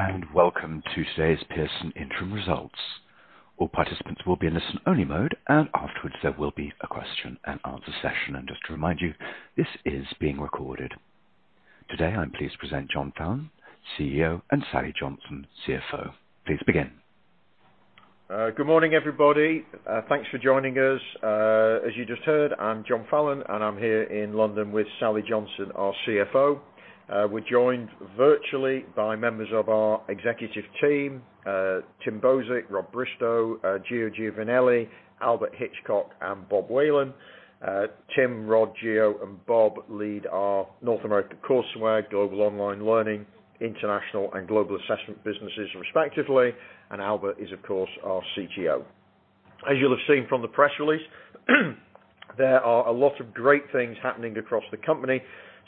Hello, and welcome to today's Pearson interim results. All participants will be in listen-only mode, and afterwards there will be a question and answer session. Just to remind you, this is being recorded. Today, I'm pleased to present John Fallon, CEO, and Sally Johnson, CFO. Please begin. Good morning, everybody. Thanks for joining us. As you just heard, I'm John Fallon, and I'm here in London with Sally Johnson, our CFO. We're joined virtually by members of our executive team, Tim Bozik, Rod Bristow, Gio Giovannelli, Albert Hitchcock, and Bob Whelan. Tim, Rod, Gio, and Robert lead our North American Courseware, Global Online Learning, International and Global Assessment businesses respectively. Albert is, of course, our CTO. As you'll have seen from the press release, there are a lot of great things happening across the company.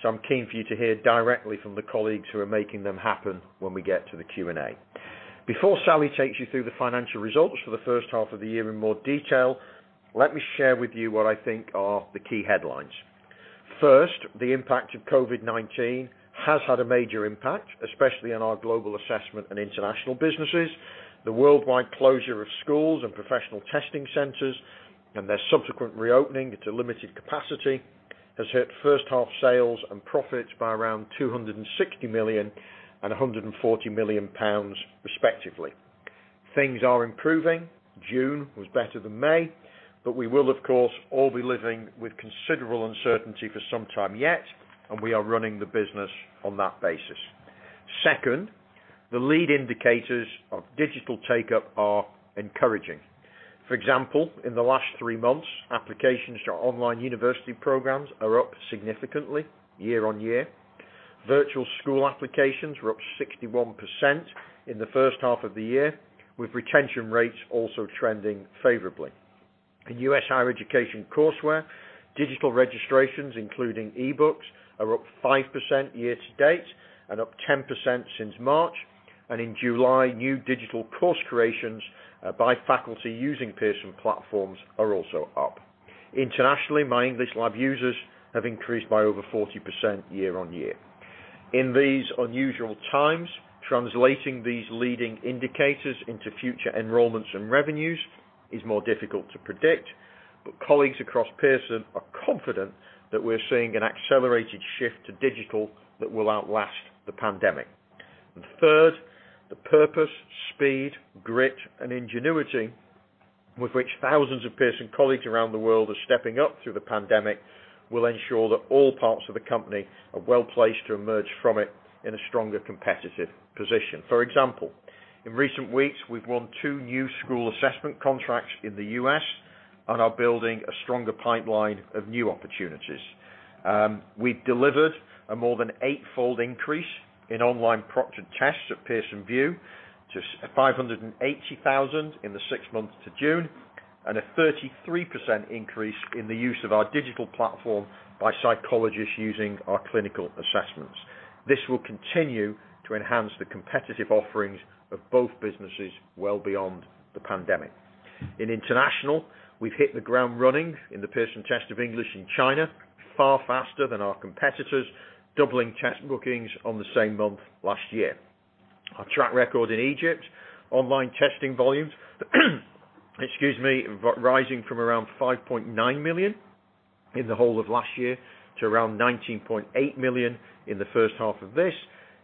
I'm keen for you to hear directly from the colleagues who are making them happen when we get to the Q&A. Before Sally takes you through the financial results for the first half of the year in more detail, let me share with you what I think are the key headlines. First, the impact of COVID-19 has had a major impact, especially on our Global Assessment and International businesses. The worldwide closure of schools and professional testing centers, and their subsequent reopening to limited capacity, has hit first half sales and profits by around 260 million and 140 million pounds respectively. Things are improving. June was better than May. We will, of course, all be living with considerable uncertainty for some time yet, and we are running the business on that basis. Second, the lead indicators of digital take-up are encouraging. For example, in the last three months, applications to online university programs are up significantly year-over-year. Virtual school applications were up 61% in the first half of the year, with retention rates also trending favorably. In U.S. higher education courseware, digital registrations, including e-books, are up 5% year to date and up 10% since March. In July, new digital course creations by faculty using Pearson platforms are also up. Internationally, MyEnglishLab users have increased by over 40% year on year. In these unusual times, translating these leading indicators into future enrollments and revenues is more difficult to predict. Colleagues across Pearson are confident that we're seeing an accelerated shift to digital that will outlast the pandemic. Third, the purpose, speed, grit, and ingenuity with which thousands of Pearson colleagues around the world are stepping up through the pandemic will ensure that all parts of the company are well-placed to emerge from it in a stronger competitive position. For example, in recent weeks, we've won two new school assessment contracts in the U.S. and are building a stronger pipeline of new opportunities. We've delivered a more than eightfold increase in online proctored tests at Pearson VUE to 580,000 in the six months to June, and a 33% increase in the use of our digital platform by psychologists using our clinical assessments. This will continue to enhance the competitive offerings of both businesses well beyond the pandemic. In international, we've hit the ground running in the Pearson Test of English in China, far faster than our competitors, doubling test bookings on the same month last year. Our track record in Egypt, online testing volumes, excuse me, rising from around 5.9 million in the whole of last year to around 19.8 million in the first half of this,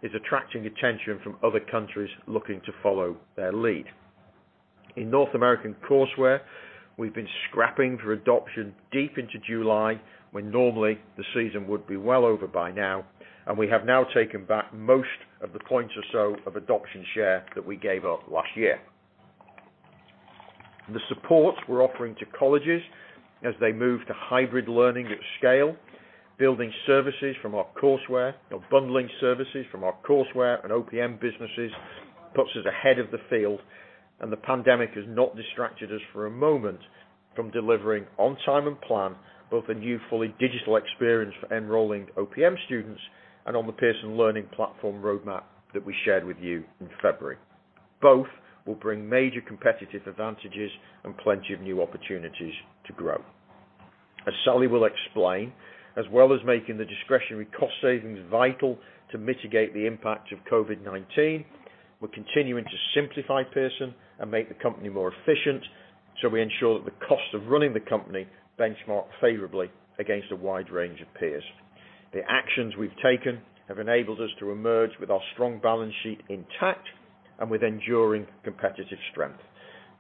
is attracting attention from other countries looking to follow their lead. In North American Courseware, we've been scrapping for adoption deep into July, when normally the season would be well over by now, and we have now taken back most of the points or so of adoption share that we gave up last year. The support we're offering to colleges as they move to hybrid learning at scale, building services from our courseware or bundling services from our courseware and OPM businesses, puts us ahead of the field, and the pandemic has not distracted us for a moment from delivering on time and plan both a new fully digital experience for enrolling OPM students and on the Pearson Learning Platform roadmap that we shared with you in February. Both will bring major competitive advantages and plenty of new opportunities to grow. As Sally will explain, as well as making the discretionary cost savings vital to mitigate the impact of COVID-19, we're continuing to simplify Pearson and make the company more efficient, so we ensure that the cost of running the company benchmark favorably against a wide range of peers. The actions we've taken have enabled us to emerge with our strong balance sheet intact and with enduring competitive strength.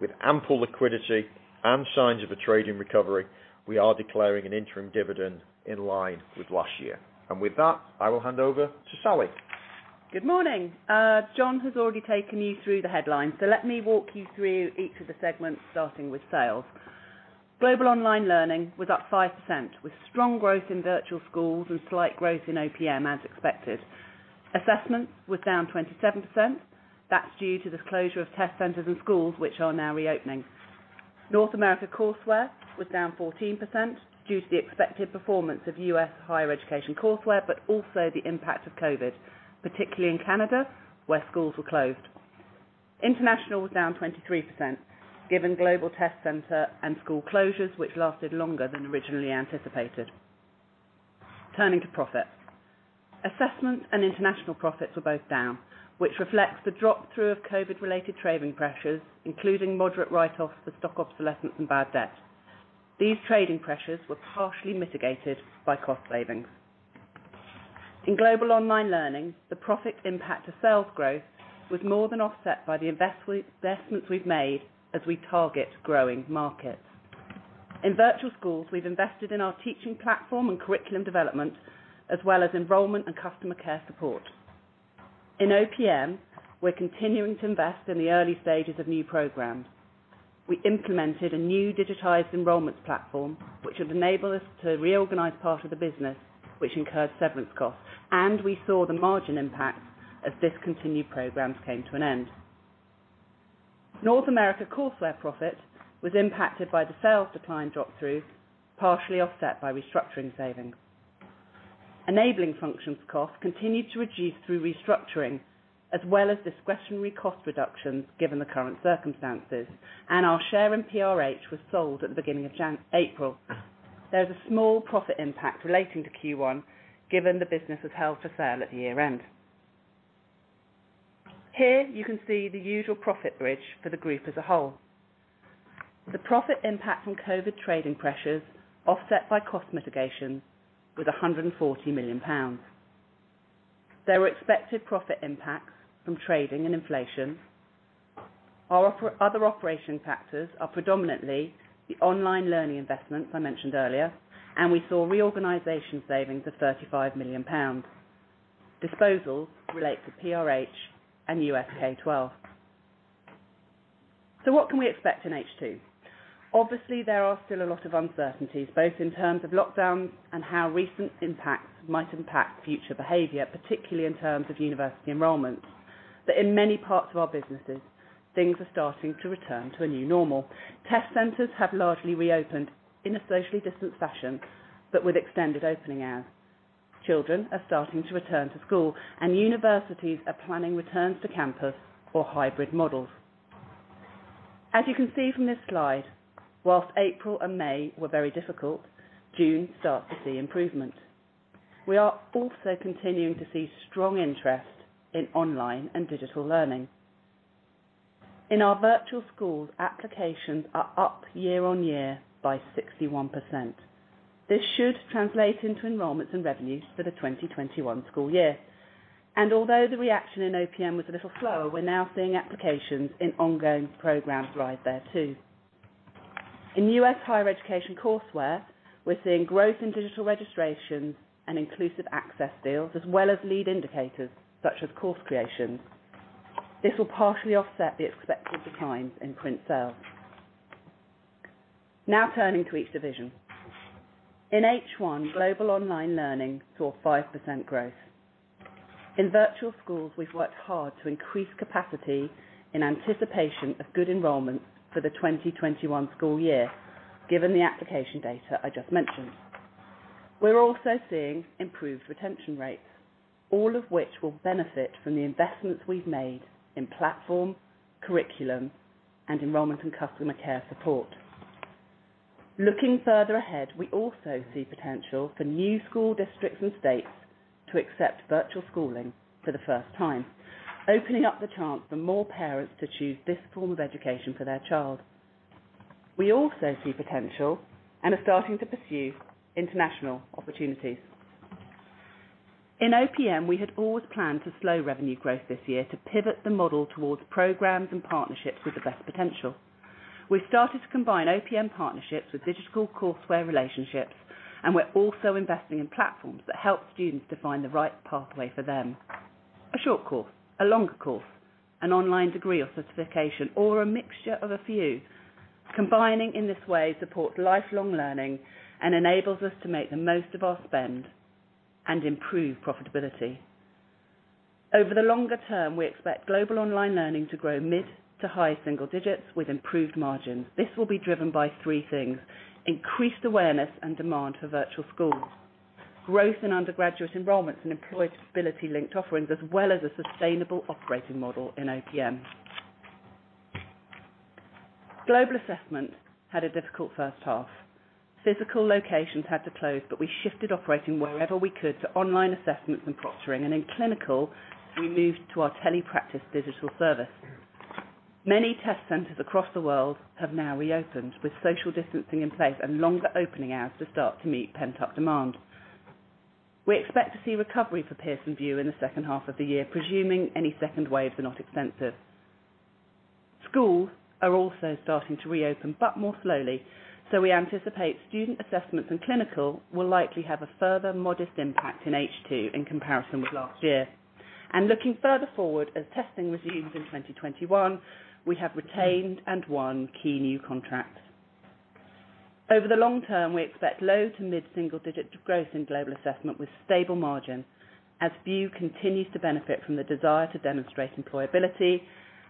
With ample liquidity and signs of a trading recovery, we are declaring an interim dividend in line with last year. With that, I will hand over to Sally. Good morning. John has already taken you through the headlines, so let me walk you through each of the segments, starting with sales. Global Online Learning was up 5%, with strong growth in Pearson Virtual Schools and slight growth in OPM as expected. Global Assessment was down 27%. That is due to the closure of test centers and schools, which are now reopening. North American Courseware was down 14% due to the expected performance of U.S. higher education courseware, also the impact of COVID-19, particularly in Canada, where schools were closed. International was down 23% given global test center and school closures, which lasted longer than originally anticipated. Turning to profit. Global Assessment and International profits were both down, which reflects the drop-through of COVID-19-related trading pressures, including moderate write-offs for stock obsolescence and bad debt. These trading pressures were partially mitigated by cost savings. In Global Online Learning, the profit impact of sales growth was more than offset by the investments we've made as we target growing markets. In Pearson Virtual Schools, we've invested in our teaching platform and curriculum development, as well as enrollment and customer care support. In OPM, we're continuing to invest in the early stages of new programs. We implemented a new digitized enrollments platform, which would enable us to reorganize part of the business, which incurred severance costs. We saw the margin impact as discontinued programs came to an end. North America Courseware profit was impacted by the sales decline drop-through, partially offset by restructuring savings. Enabling Functions cost continued to reduce through restructuring, as well as discretionary cost reductions, given the current circumstances. Our share in PRH was sold at the beginning of April. There is a small profit impact relating to Q1, given the business was held for sale at the year-end. Here, you can see the usual profit bridge for the group as a whole. The profit impact from COVID trading pressures offset by cost mitigation was 140 million pounds. There were expected profit impacts from trading and inflation. Our other operation factors are predominantly the online learning investments I mentioned earlier, and we saw reorganization savings of 35 million pounds. Disposals relate to PRH and US K-12. What can we expect in H2? Obviously, there are still a lot of uncertainties, both in terms of lockdowns and how recent impacts might impact future behavior, particularly in terms of university enrollments. In many parts of our businesses, things are starting to return to a new normal. Test centers have largely reopened in a socially distant fashion, but with extended opening hours. Children are starting to return to school, while universities are planning returns to campus or hybrid models. As you can see from this slide, while April and May were very difficult, June starts to see improvement. We are also continuing to see strong interest in online and digital learning. In our Pearson Virtual Schools, applications are up year-over-year by 61%. This should translate into enrollments and revenues for the 2021 school year. Although the reaction in OPM was a little slower, we're now seeing applications in ongoing programs rise there, too. In U.S. higher education courseware, we're seeing growth in digital registrations and Inclusive Access deals, as well as lead indicators, such as course creations. This will partially offset the expected declines in print sales. Turning to each division. In H1, Global Online Learning saw 5% growth. In Virtual Schools, we've worked hard to increase capacity in anticipation of good enrollments for the 2021 school year, given the application data I just mentioned. We're also seeing improved retention rates, all of which will benefit from the investments we've made in platform, curriculum, and enrollment and customer care support. Looking further ahead, we also see potential for new school districts and states to accept virtual schooling for the first time, opening up the chance for more parents to choose this form of education for their child. We also see potential and are starting to pursue international opportunities. In OPM, we had always planned to slow revenue growth this year to pivot the model towards programs and partnerships with the best potential. We've started to combine OPM partnerships with digital courseware relationships, and we're also investing in platforms that help students to find the right pathway for them. A short course, a longer course, an online degree or certification, or a mixture of a few. Combining in this way supports lifelong learning and enables us to make the most of our spend and improve profitability. Over the longer term, we expect Global Online Learning to grow mid to high single digits with improved margins. This will be driven by three things: increased awareness and demand for Virtual Schools, growth in undergraduate enrollments and employability-linked offerings, as well as a sustainable operating model in OPM. Global Assessment had a difficult first half. Physical locations had to close, we shifted operating wherever we could to online assessments and proctoring. In clinical, we moved to our telepractice digital service. Many test centers across the world have now reopened, with social distancing in place and longer opening hours to start to meet pent-up demand. We expect to see recovery for Pearson VUE in the second half of the year, presuming any second waves are not extensive. Schools are also starting to reopen, more slowly, we anticipate student assessments and clinical will likely have a further modest impact in H2 in comparison with last year. Looking further forward as testing resumes in 2021, we have retained and won key new contracts. Over the long term, we expect low to mid single-digit growth in Global Assessment with stable margin as VUE continues to benefit from the desire to demonstrate employability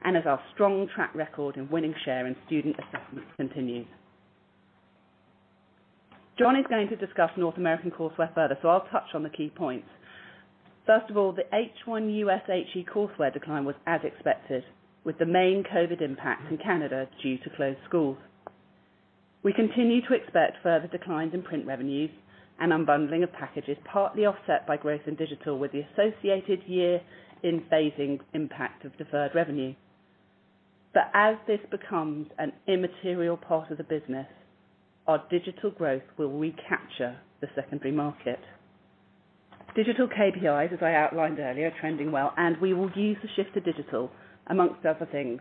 and as our strong track record in winning share and student assessments continues. John is going to discuss North American Courseware further, I'll touch on the key points. First of all, the H1 US HE Courseware decline was as expected, with the main COVID impact in Canada due to closed schools. We continue to expect further declines in print revenues and unbundling of packages partly offset by growth in digital with the associated year-end phasing impact of deferred revenue. As this becomes an immaterial part of the business, our digital growth will recapture the secondary market. Digital KPIs, as I outlined earlier, are trending well, and we will use the shift to digital amongst other things,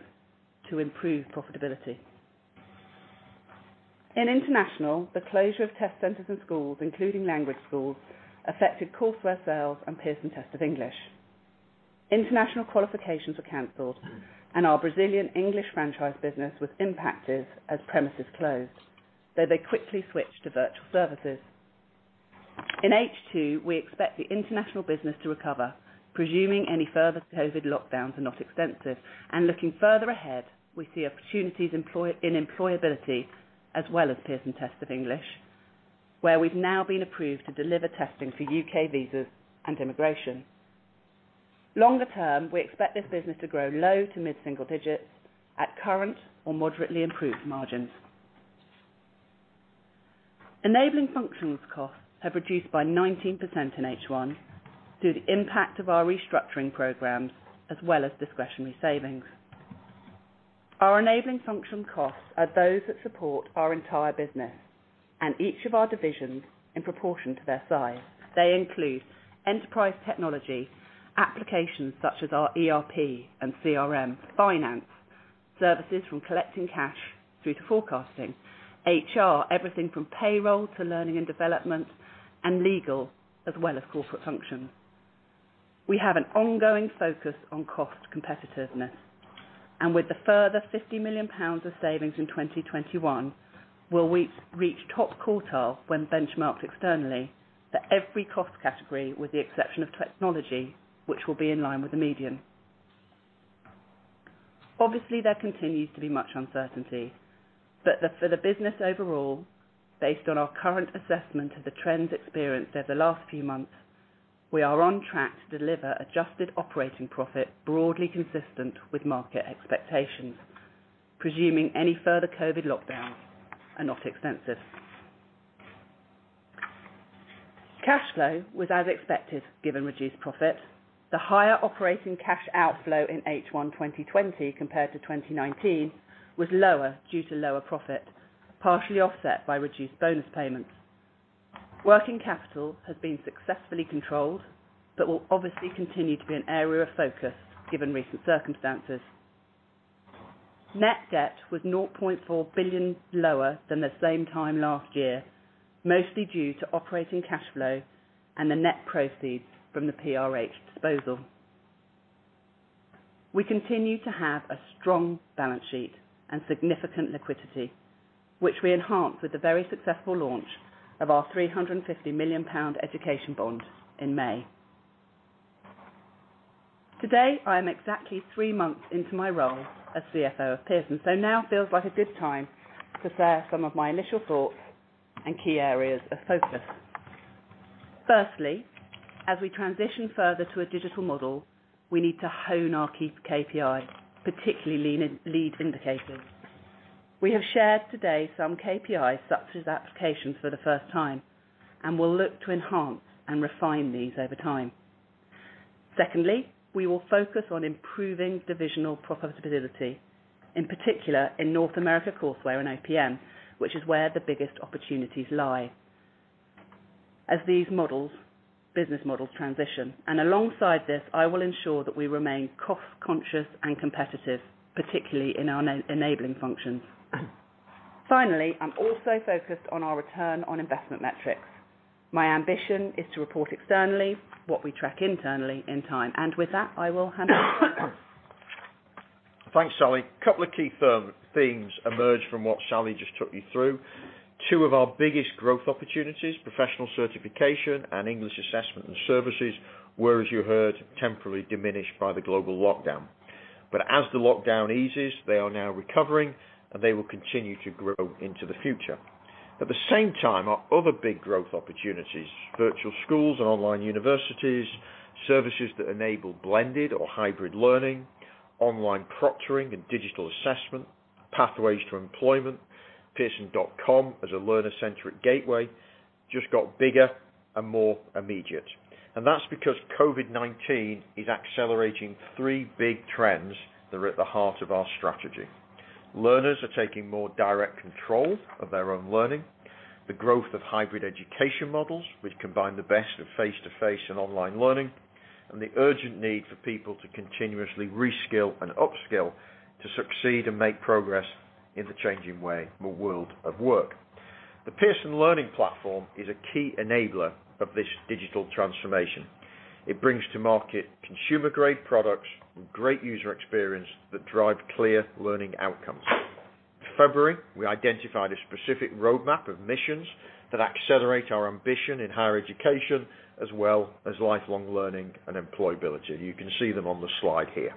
to improve profitability. In international, the closure of test centers and schools, including language schools, affected courseware sales and Pearson Test of English. International qualifications were canceled, and our Brazilian English franchise business was impacted as premises closed, though they quickly switched to virtual services. In H2, we expect the international business to recover, presuming any further COVID lockdowns are not extensive. Looking further ahead, we see opportunities in employability as well as Pearson Test of English, where we've now been approved to deliver testing for UK Visas and Immigration. Longer term, we expect this business to grow low to mid-single digits at current or moderately improved margins. Enabling functions costs have reduced by 19% in H1 through the impact of our restructuring programs as well as discretionary savings. Our enabling function costs are those that support our entire business and each of our divisions in proportion to their size. They include enterprise technology, applications such as our ERP and CRM, finance, services from collecting cash through to forecasting, HR, everything from payroll to learning and development, and legal as well as corporate functions. We have an ongoing focus on cost competitiveness. With the further 50 million pounds of savings in 2021, will we reach top quartile when benchmarked externally for every cost category, with the exception of technology, which will be in line with the median. Obviously, there continues to be much uncertainty. For the business overall, based on our current assessment of the trends experienced over the last few months, we are on track to deliver adjusted operating profit broadly consistent with market expectations, presuming any further COVID-19 lockdowns are not extensive. Cash flow was as expected, given reduced profit. The higher operating cash outflow in H1 2020 compared to 2019 was lower due to lower profit, partially offset by reduced bonus payments. Working capital has been successfully controlled but will obviously continue to be an area of focus given recent circumstances. Net debt was 0.4 billion lower than the same time last year, mostly due to operating cash flow and the net proceeds from the PRH disposal. We continue to have a strong balance sheet and significant liquidity, which we enhanced with the very successful launch of our 350 million pound education bond in May. Today, I am exactly three months into my role as CFO of Pearson. Now feels like a good time to share some of my initial thoughts and key areas of focus. Firstly, as we transition further to a digital model, we need to hone our key KPIs, particularly lead indicators. We have shared today some KPIs, such as applications for the first time, and will look to enhance and refine these over time. Secondly, we will focus on improving divisional profitability, in particular in North American Courseware and OPM, which is where the biggest opportunities lie as these business models transition. Alongside this, I will ensure that we remain cost-conscious and competitive, particularly in our enabling functions. Finally, I'm also focused on our return on investment metrics. My ambition is to report externally what we track internally in time. With that, I will hand over. Thanks, Sally. A couple of key themes emerged from what Sally just took you through. Two of our biggest growth opportunities, professional certification and English assessment and services, were, as you heard, temporarily diminished by the global lockdown. As the lockdown eases, they are now recovering, and they will continue to grow into the future. At the same time, our other big growth opportunities, virtual schools and online universities, services that enable blended or hybrid learning, online proctoring and digital assessment, pathways to employment, pearson.com as a learner-centric gateway just got bigger and more immediate. That's because COVID-19 is accelerating three big trends that are at the heart of our strategy. Learners are taking more direct control of their own learning. The growth of hybrid education models, which combine the best of face-to-face and online learning. The urgent need for people to continuously reskill and upskill to succeed and make progress in the changing way, more world of work. The Pearson Learning Platform is a key enabler of this digital transformation. It brings to market consumer-grade products and great user experience that drive clear learning outcomes. In February, we identified a specific roadmap of missions that accelerate our ambition in higher education as well as lifelong learning and employability. You can see them on the slide here.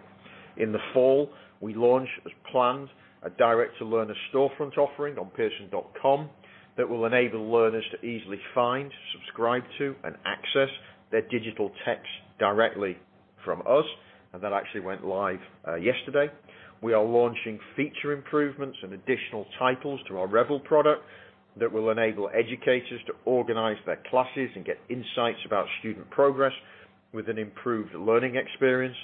In the fall, we launch, as planned, a direct-to-learner storefront offering on pearson.com that will enable learners to easily find, subscribe to, and access their digital text directly from us. That actually went live yesterday. We are launching feature improvements and additional titles to our Revel product that will enable educators to organize their classes and get insights about student progress with an improved learning experience.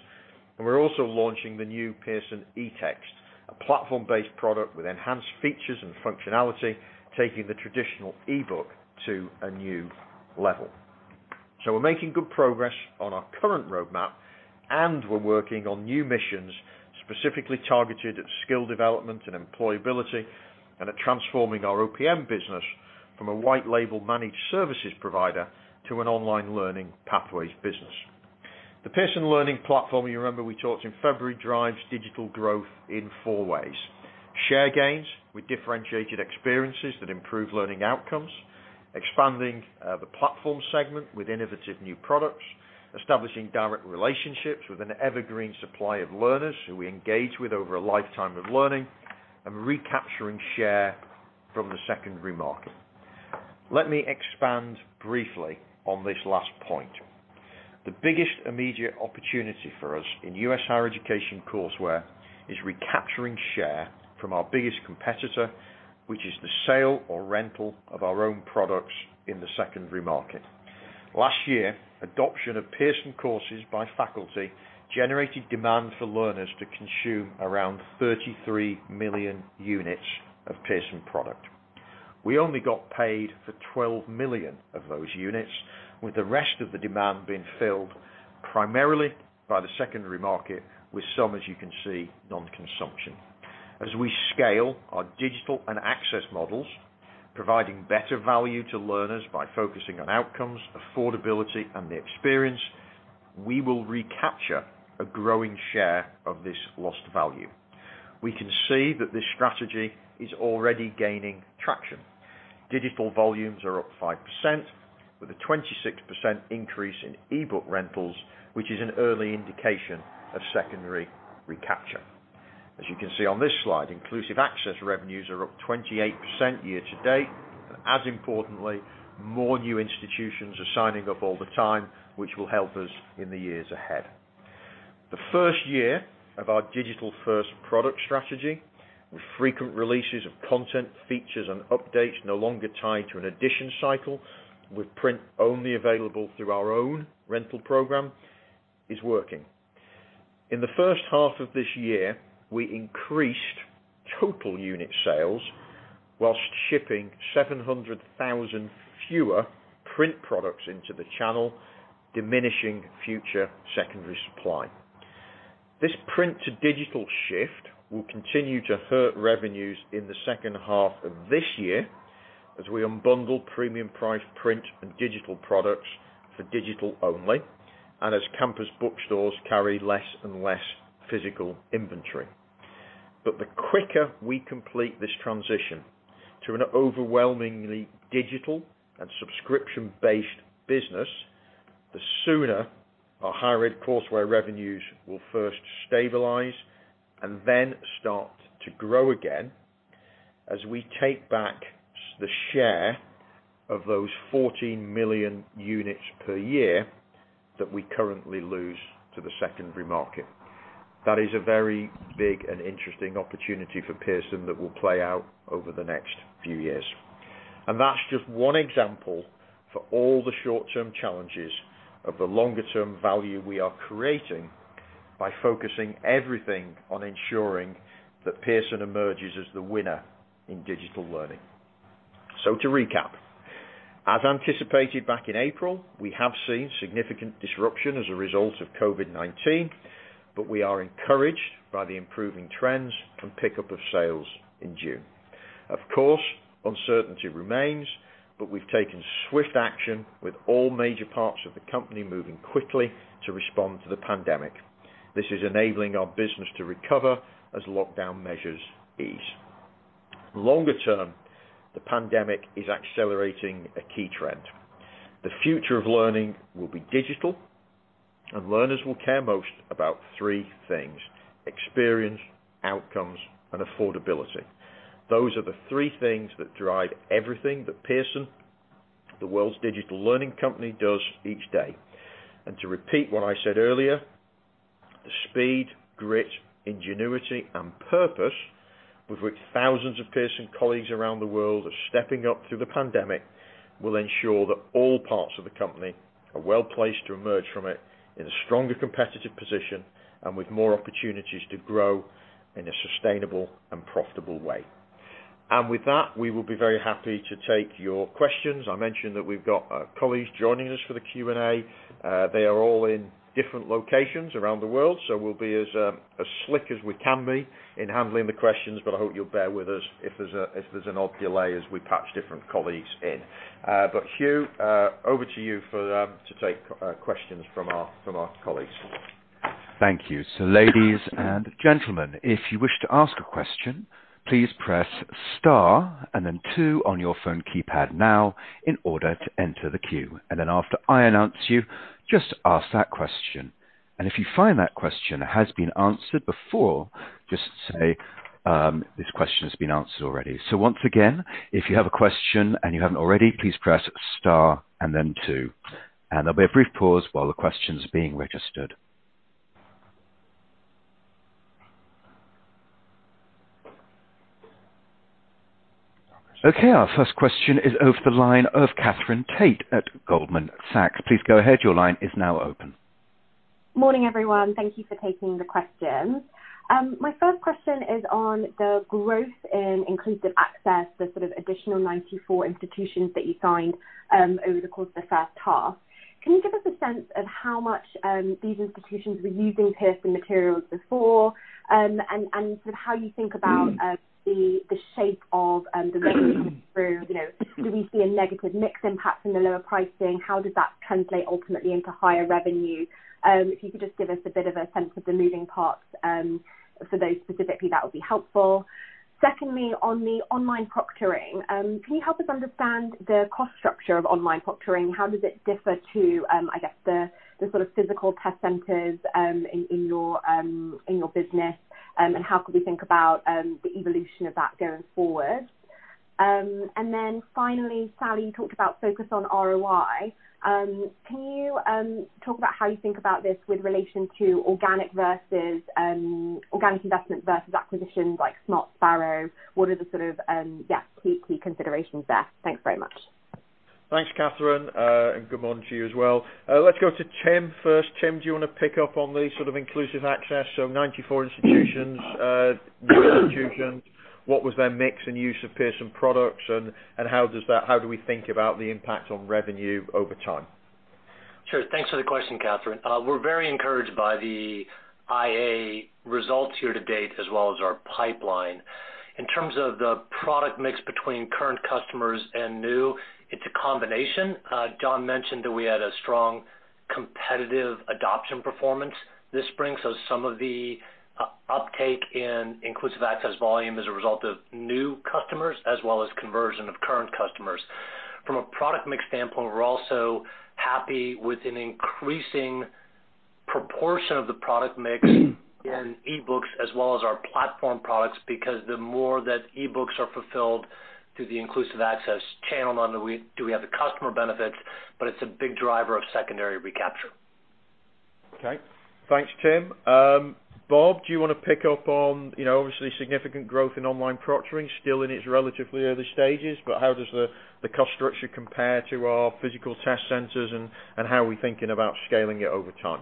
We're also launching the new Pearson eText, a platform-based product with enhanced features and functionality, taking the traditional e-book to a new level. We're making good progress on our current roadmap, and we're working on new missions specifically targeted at skill development and employability, and at transforming our OPM business from a white label managed services provider to an online learning pathways business. The Pearson Learning Platform, you remember we talked in February, drives digital growth in four ways. Share gains with differentiated experiences that improve learning outcomes. Expanding the platform segment with innovative new products. Establishing direct relationships with an evergreen supply of learners who we engage with over a lifetime of learning. Recapturing share from the secondary market. Let me expand briefly on this last point. The biggest immediate opportunity for us in U.S. higher education courseware is recapturing share from our biggest competitor, which is the sale or rental of our own products in the secondary market. Last year, adoption of Pearson courses by faculty generated demand for learners to consume around 33 million units of Pearson product. We only got paid for 12 million of those units, with the rest of the demand being filled primarily by the secondary market, with some, as you can see, non-consumption. As we scale our digital and access models, providing better value to learners by focusing on outcomes, affordability, and the experience, we will recapture a growing share of this lost value. We can see that this strategy is already gaining traction. Digital volumes are up 5% with a 26% increase in e-book rentals, which is an early indication of secondary recapture. As you can see on this slide, Inclusive Access revenues are up 28% year to date. As importantly, more new institutions are signing up all the time, which will help us in the years ahead. The first year of our digital-first product strategy, with frequent releases of content, features, and updates no longer tied to an edition cycle, with print only available through our own rental program, is working. In the first half of this year, we increased total unit sales whilst shipping 700,000 fewer print products into the channel, diminishing future secondary supply. This print to digital shift will continue to hurt revenues in the second half of this year as we unbundle premium price print and digital products for digital only, and as campus bookstores carry less and less physical inventory. The quicker we complete this transition to an overwhelmingly digital and subscription-based business, the sooner our higher ed courseware revenues will first stabilize and then start to grow again as we take back the share of those 14 million units per year that we currently lose to the secondary market. That is a very big and interesting opportunity for Pearson that will play out over the next few years. That's just one example for all the short-term challenges of the longer-term value we are creating by focusing everything on ensuring that Pearson emerges as the winner in digital learning. To recap, as anticipated back in April, we have seen significant disruption as a result of COVID-19, but we are encouraged by the improving trends and pickup of sales in June. Uncertainty remains, we've taken swift action with all major parts of the company moving quickly to respond to the pandemic. This is enabling our business to recover as lockdown measures ease. Longer term, the pandemic is accelerating a key trend. The future of learning will be digital, and learners will care most about three things: experience, outcomes, and affordability. Those are the three things that drive everything that Pearson, the world's digital learning company, does each day. To repeat what I said earlier, the speed, grit, ingenuity, and purpose with which thousands of Pearson colleagues around the world are stepping up through the pandemic will ensure that all parts of the company are well placed to emerge from it in a stronger competitive position and with more opportunities to grow in a sustainable and profitable way. With that, we will be very happy to take your questions. I mentioned that we've got colleagues joining us for the Q&A. They are all in different locations around the world, so we'll be as slick as we can be in handling the questions, but I hope you'll bear with us if there's an odd delay as we patch different colleagues in. Hugh, over to you to take questions from our colleagues. Thank you. Ladies and gentlemen, if you wish to ask a question, please press star and then two on your phone keypad now in order to enter the queue. After I announce you, just ask that question. If you find that question has been answered before, just say, "This question has been answered already." Once again, if you have a question and you haven't already, please press star and then two, and there'll be a brief pause while the question's being registered. Our first question is over the line of Katherine Tait at Goldman Sachs. Please go ahead. Your line is now open. Morning, everyone. Thank you for taking the questions. My first question is on the growth in Inclusive Access, the sort of additional 94 institutions that you signed over the course of the first half. Can you give us a sense of how much these institutions were using Pearson materials before? Sort of how you think about the shape of the revenue through, do we see a negative mix impact from the lower pricing? How does that translate ultimately into higher revenue? If you could just give us a bit of a sense of the moving parts for those specifically, that would be helpful. Secondly, on the online proctoring, can you help us understand the cost structure of online proctoring? How does it differ to, I guess, the sort of physical test centers in your business, and how could we think about the evolution of that going forward? Finally, Sally, you talked about focus on ROI. Can you talk about how you think about this with relation to organic investment versus acquisitions like Smart Sparrow? What are the sort of key considerations there? Thanks very much. Thanks, Katherine, and good morning to you as well. Let's go to Tim first. Tim, do you want to pick up on the sort of Inclusive Access? 94 institutions, new institutions, what was their mix and use of Pearson products, and how do we think about the impact on revenue over time? Sure. Thanks for the question, Katherine. We're very encouraged by the IA results here to date, as well as our pipeline. In terms of the product mix between current customers and new, it's a combination. John mentioned that we had a strong competitive adoption performance this spring, so some of the uptake in Inclusive Access volume is a result of new customers as well as conversion of current customers. From a product mix standpoint, we're also happy with an increasing proportion of the product mix in e-books as well as our platform products, because the more that e-books are fulfilled through the Inclusive Access channel, not only do we have the customer benefits, but it's a big driver of secondary recapture. Okay. Thanks, Tim. Bob, do you want to pick up on, obviously, significant growth in online proctoring, still in its relatively early stages, but how does the cost structure compare to our physical test centers, and how are we thinking about scaling it over time?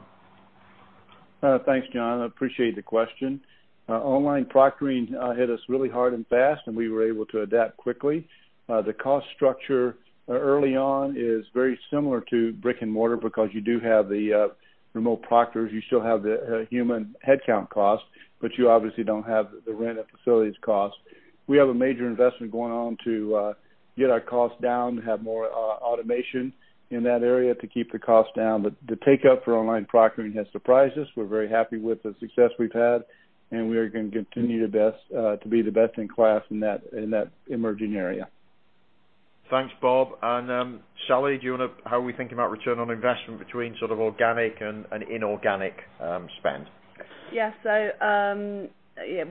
Thanks, John. I appreciate the question. Online proctoring hit us really hard and fast, and we were able to adapt quickly. The cost structure early on is very similar to brick and mortar because you do have the remote proctors. You still have the human headcount cost, but you obviously don't have the rent and facilities cost. We have a major investment going on to get our costs down, have more automation in that area to keep the cost down. The take-up for online proctoring has surprised us. We're very happy with the success we've had, and we are going to continue to be the best in class in that emerging area. Thanks, Bob. Sally, how are we thinking about return on investment between sort of organic and inorganic spend?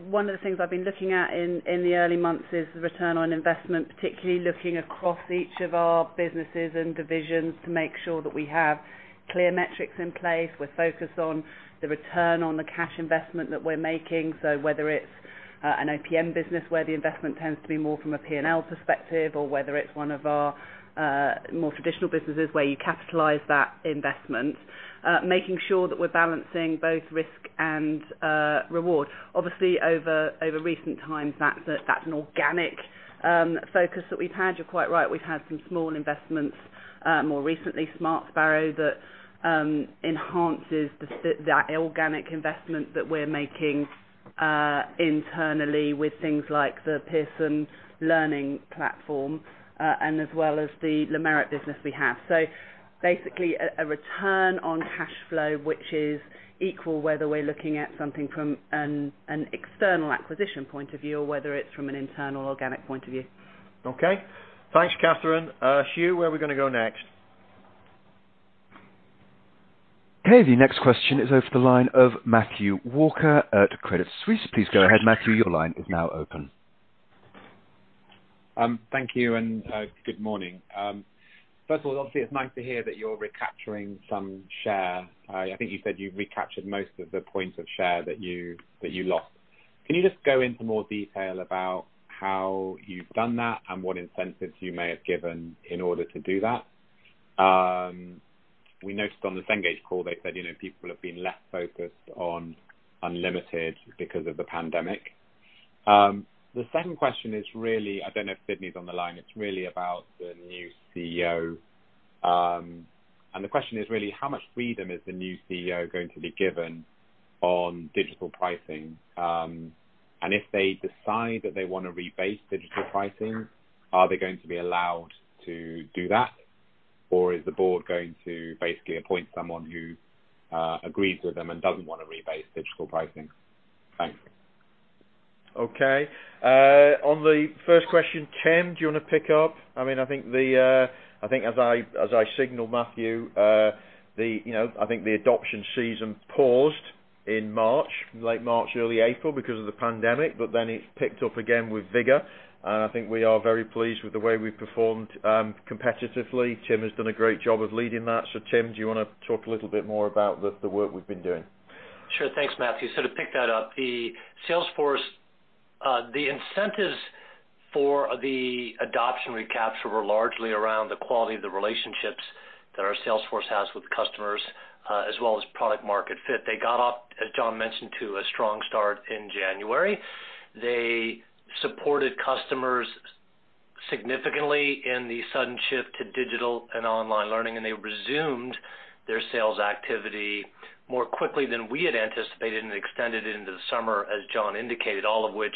One of the things I've been looking at in the early months is the return on investment, particularly looking across each of our businesses and divisions to make sure that we have clear metrics in place. We're focused on the return on the cash investment that we're making. Whether it's an OPM business where the investment tends to be more from a P&L perspective, or whether it's one of our more traditional businesses where you capitalize that investment, making sure that we're balancing both risk and reward. Obviously, over recent times, that's an organic focus that we've had. You're quite right. We've had some small investments, more recently, Smart Sparrow, that enhances that organic investment that we're making internally with things like the Pearson Learning Platform, and as well as the Lumerit business we have. Basically, a return on cash flow, which is equal whether we're looking at something from an external acquisition point of view or whether it's from an internal organic point of view. Okay. Thanks, Katherine. Hugh, where are we going to go next? Okay, the next question is over the line of Matthew Walker at Credit Suisse. Please go ahead, Matthew. Your line is now open. Thank you, and good morning. First of all, obviously, it's nice to hear that you're recapturing some share. I think you said you've recaptured most of the points of share that you lost. Can you just go into more detail about how you've done that and what incentives you may have given in order to do that? We noticed on the Cengage call, they said people have been less focused on Unlimited because of the pandemic. The second question is really, I don't know if Sidney's on the line, it's really about the new CEO. The question is really, how much freedom is the new CEO going to be given on digital pricing? If they decide that they want to rebase digital pricing, are they going to be allowed to do that? Is the board going to basically appoint someone who agrees with them and doesn't want to rebase digital pricing? Thanks. Okay. On the first question, Tim, do you want to pick up? I think as I signaled, Matthew, I think the adoption season paused in March, late March, early April, because of the pandemic. It picked up again with vigor. I think we are very pleased with the way we've performed competitively. Tim has done a great job of leading that. Tim, do you want to talk a little bit more about the work we've been doing? Sure. Thanks, Matthew. To pick that up, the incentives for the adoption recapture were largely around the quality of the relationships that our sales force has with customers, as well as product market fit. They got off, as John mentioned too, a strong start in January. They supported customers significantly in the sudden shift to digital and online learning. They resumed their sales activity more quickly than we had anticipated and extended into the summer as John indicated, all of which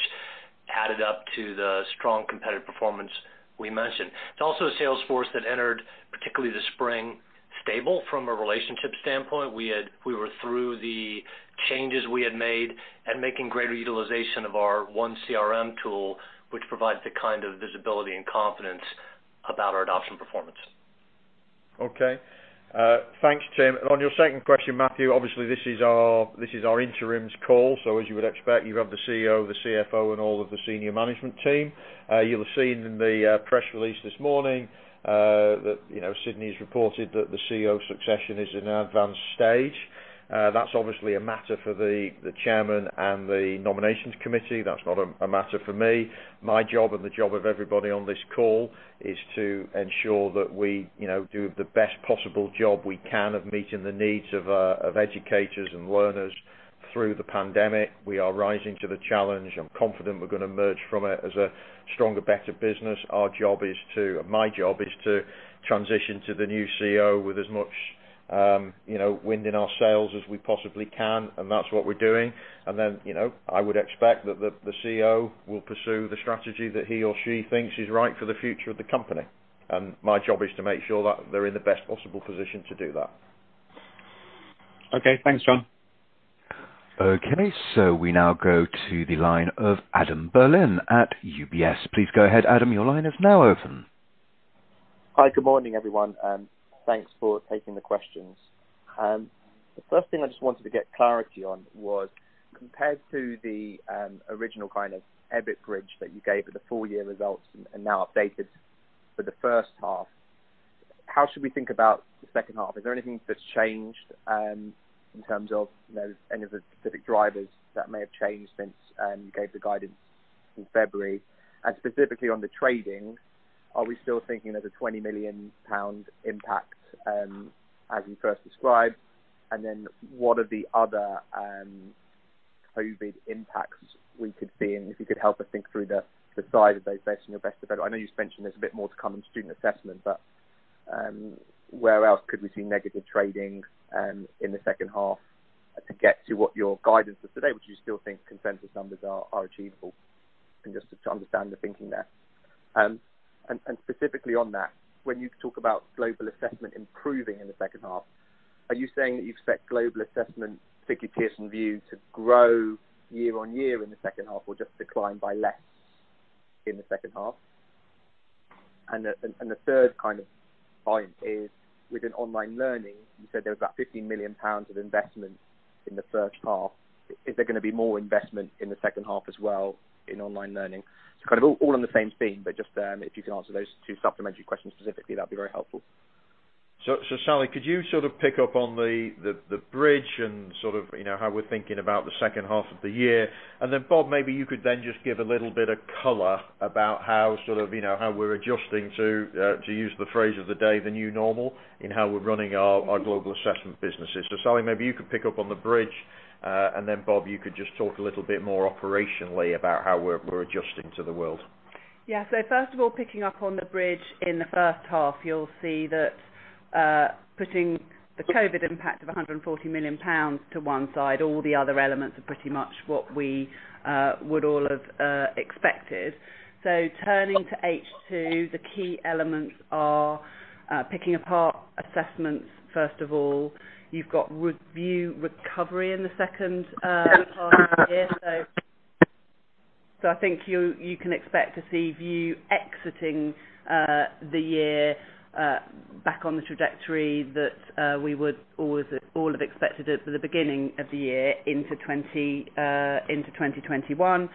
added up to the strong competitive performance we mentioned. It's also a sales force that entered, particularly the spring, stable from a relationship standpoint. We were through the changes we had made and making greater utilization of our one CRM tool, which provides the kind of visibility and confidence about our adoption performance. Okay. Thanks, Tim. On your second question, Matthew, obviously this is our interims call. As you would expect, you have the CEO, the CFO, and all of the senior management team. You'll have seen in the press release this morning that Sidney's reported that the CEO succession is in an advanced stage. That's obviously a matter for the chairman and the nominations committee. That's not a matter for me. My job, and the job of everybody on this call, is to ensure that we do the best possible job we can of meeting the needs of educators and learners through the pandemic. We are rising to the challenge. I'm confident we're going to emerge from it as a stronger, better business. My job is to transition to the new CEO with as much wind in our sails as we possibly can, and that's what we're doing. I would expect that the CEO will pursue the strategy that he or she thinks is right for the future of the company. My job is to make sure that they're in the best possible position to do that. Okay. Thanks, John. Okay, we now go to the line of Adam Berlin at UBS. Please go ahead, Adam. Your line is now open. Hi. Good morning, everyone, and thanks for taking the questions. The first thing I just wanted to get clarity on was, compared to the original EBIT bridge that you gave at the full-year results and now updated for the first half, how should we think about the second half? Is there anything that's changed in terms of any of the specific drivers that may have changed since you gave the guidance in February? Specifically on the trading, are we still thinking there's a 20 million pound impact as you first described? Then what are the other COVID-19 impacts we could see? If you could help us think through the size of those based on your best available. I know you just mentioned there's a bit more to come on student assessment, but where else could we see negative trading in the second half to get to what your guidance is today? Would you still think consensus numbers are achievable? Just to understand your thinking there. Specifically on that, when you talk about Global Assessment improving in the second half, are you saying that you expect Global Assessment, particularly Pearson VUE, to grow year-on-year in the second half or just decline by less in the second half? The third kind of point is, within online learning, you said there was about 50 million pounds of investment in the first half. Is there going to be more investment in the second half as well in online learning? It's kind of all on the same theme, but just if you can answer those two supplementary questions specifically, that'd be very helpful. Sally, could you sort of pick up on the bridge and how we're thinking about the second half of the year? Bob, maybe you could then just give a little bit of color about how we're adjusting to use the phrase of the day, the new normal, in how we're running our Global Assessment businesses. Sally, maybe you could pick up on the bridge, and then Bob, you could just talk a little bit more operationally about how we're adjusting to the world. Yeah. First of all, picking up on the bridge in the first half, you'll see that putting the COVID impact of 140 million pounds to one side, all the other elements are pretty much what we would all have expected. Turning to H2, the key elements are picking apart assessments, first of all. You've got VUE recovery in the second half of the year. I think you can expect to see VUE exiting the year back on the trajectory that we would all have expected at the beginning of the year into 2021.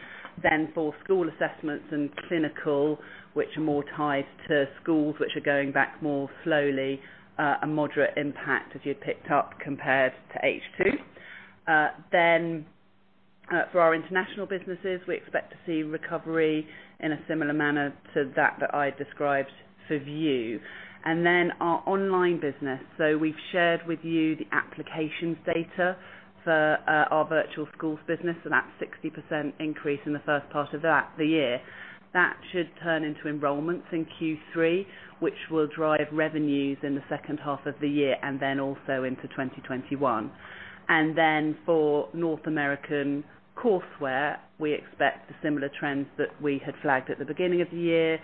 For school assessments and clinical, which are more tied to schools which are going back more slowly, a moderate impact as you'd picked up compared to H2. For our international businesses, we expect to see recovery in a similar manner to that that I described for VUE. Our online business. We've shared with you the applications data for our virtual schools business, and that's 60% increase in the first part of the year. That should turn into enrollments in Q3, which will drive revenues in the second half of the year and then also into 2021. For North American Courseware, we expect the similar trends that we had flagged at the beginning of the year.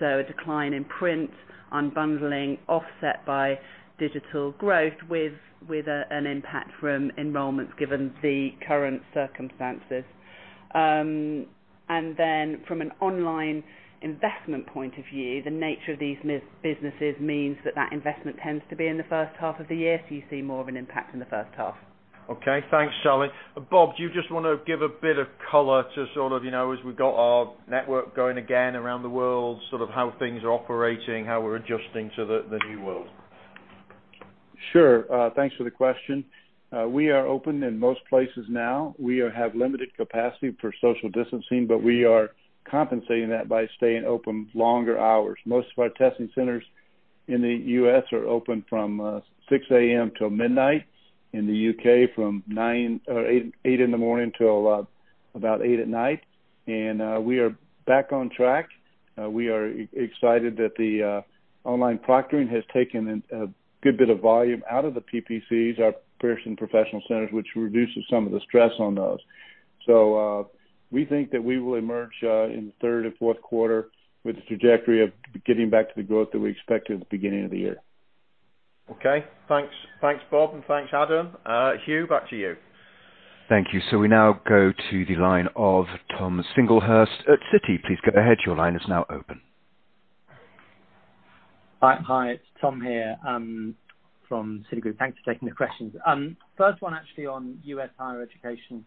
A decline in print, unbundling offset by digital growth with an impact from enrollments given the current circumstances. From an online investment point of view, the nature of these businesses means that that investment tends to be in the first half of the year, so you see more of an impact in the first half. Okay. Thanks, Sally. Bob, do you just want to give a bit of color to sort of, as we've got our network going again around the world, sort of how things are operating, how we're adjusting to the new world? Sure. Thanks for the question. We are open in most places now. We have limited capacity for social distancing, but we are compensating that by staying open longer hours. Most of our testing centers in the U.S. are open from 6:00 A.M. till midnight, in the U.K. from 8:00 A.M. till about 8:00 P.M. We are back on track. We are excited that the online proctoring has taken a good bit of volume out of the PPCs, our Pearson Professional Centers, which reduces some of the stress on those. We think that we will emerge, in the third or fourth quarter, with the trajectory of getting back to the growth that we expected at the beginning of the year. Okay. Thanks, Bob, and thanks, Adam. Hugh, back to you. Thank you. We now go to the line of Tom Singlehurst at Citi. Please go ahead. Your line is now open. Hi, it's Tom here, from Citigroup. Thanks for taking the questions. First one actually on U.S. higher education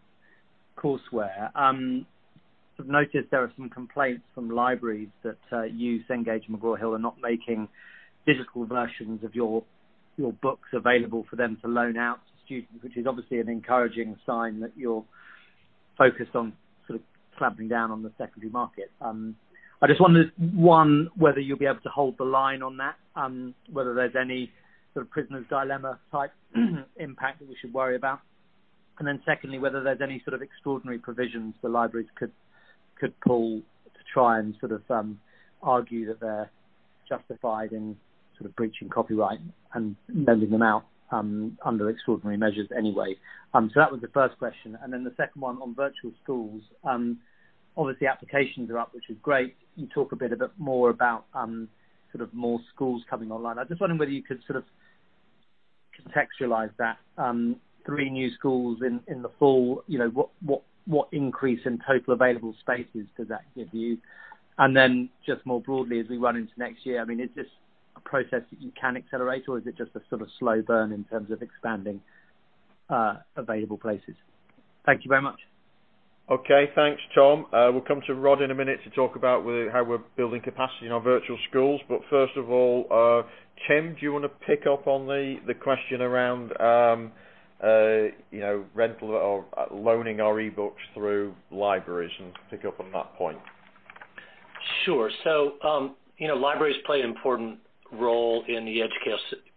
courseware. I've noticed there are some complaints from libraries that you, Cengage and McGraw Hill, are not making physical versions of your books available for them to loan out to students, which is obviously an encouraging sign that you're focused on sort of clamping down on the secondary market. I just wondered, one, whether you'll be able to hold the line on that, whether there's any sort of prisoner's dilemma type impact that we should worry about. Secondly, whether there's any sort of extraordinary provisions the libraries could pull to try and sort of argue that they're justified in breaching copyright and lending them out under extraordinary measures anyway. That was the first question. Then the second one on virtual schools. Obviously, applications are up, which is great. You talk a bit more about more schools coming online. I'm just wondering whether you could sort of contextualize that three new schools in the fall, what increase in total available spaces does that give you? Just more broadly, as we run into next year, I mean, is this a process that you can accelerate, or is it just a sort of slow burn in terms of expanding available places? Thank you very much. Okay. Thanks, Tom. We'll come to Rod in a minute to talk about how we're building capacity in our virtual schools. But first of all, Tim, do you want to pick up on the question around rental or loaning our e-books through libraries and pick up on that point? Sure. Libraries play an important role in the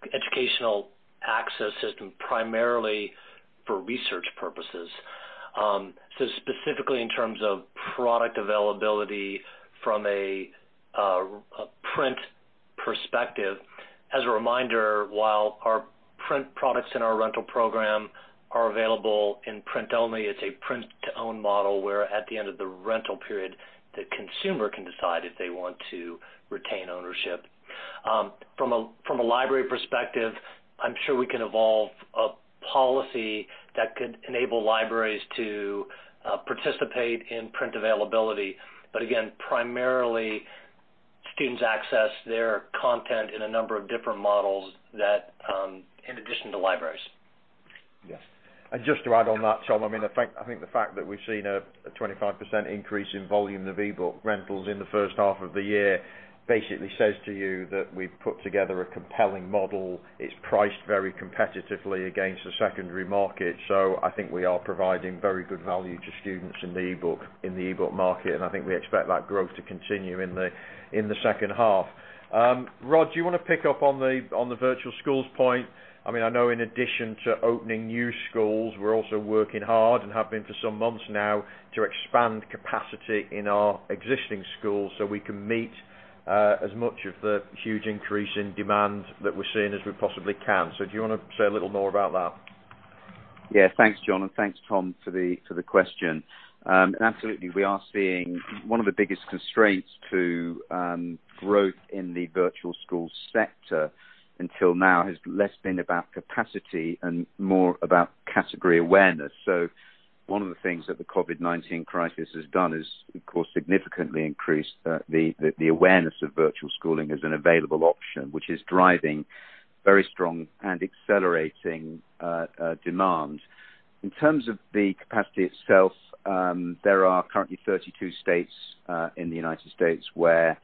educational access system primarily for research purposes. Specifically in terms of product availability from a print perspective, as a reminder, while our print products in our rental program are available in print only, it's a print-to-own model where at the end of the rental period, the consumer can decide if they want to retain ownership. From a library perspective, I'm sure we can evolve a policy that could enable libraries to participate in print availability. Again, primarily, students access their content in a number of different models in addition to libraries. Yes. Just to add on that, Tom, I think the fact that we've seen a 25% increase in volume of e-book rentals in the first half of the year basically says to you that we've put together a compelling model. It's priced very competitively against the secondary market. I think we are providing very good value to students in the e-book market, and I think we expect that growth to continue in the second half. Rod, do you want to pick up on the virtual schools point? I know in addition to opening new schools, we're also working hard and have been for some months now to expand capacity in our existing schools so we can meet as much of the huge increase in demand that we're seeing as we possibly can. Do you want to say a little more about that? Yeah. Thanks, John, and thanks, Tom, for the question. Absolutely, we are seeing one of the biggest constraints to growth in the virtual school sector until now has less been about capacity and more about category awareness. One of the things that the COVID-19 crisis has done is, of course, significantly increased the awareness of virtual schooling as an available option, which is driving very strong and accelerating demand. In terms of the capacity itself, there are currently 32 states in the U.S. where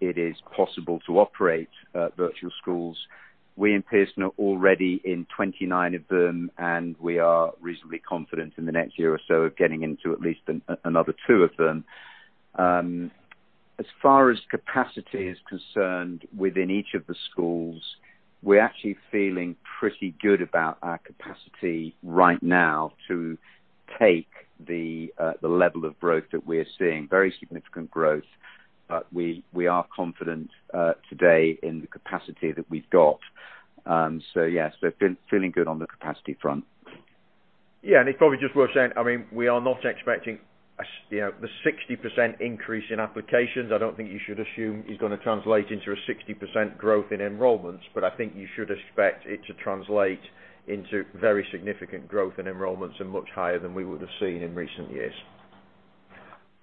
it is possible to operate virtual schools. We in Pearson are already in 29 of them, and we are reasonably confident in the next year or so of getting into at least another two of them. As far as capacity is concerned within each of the schools, we're actually feeling pretty good about our capacity right now to take the level of growth that we're seeing, very significant growth. We are confident today in the capacity that we've got. Yes, feeling good on the capacity front. It probably just worth saying, we are not expecting the 60% increase in applications, I don't think you should assume is going to translate into a 60% growth in enrollments, but I think you should expect it to translate into very significant growth in enrollments and much higher than we would have seen in recent years.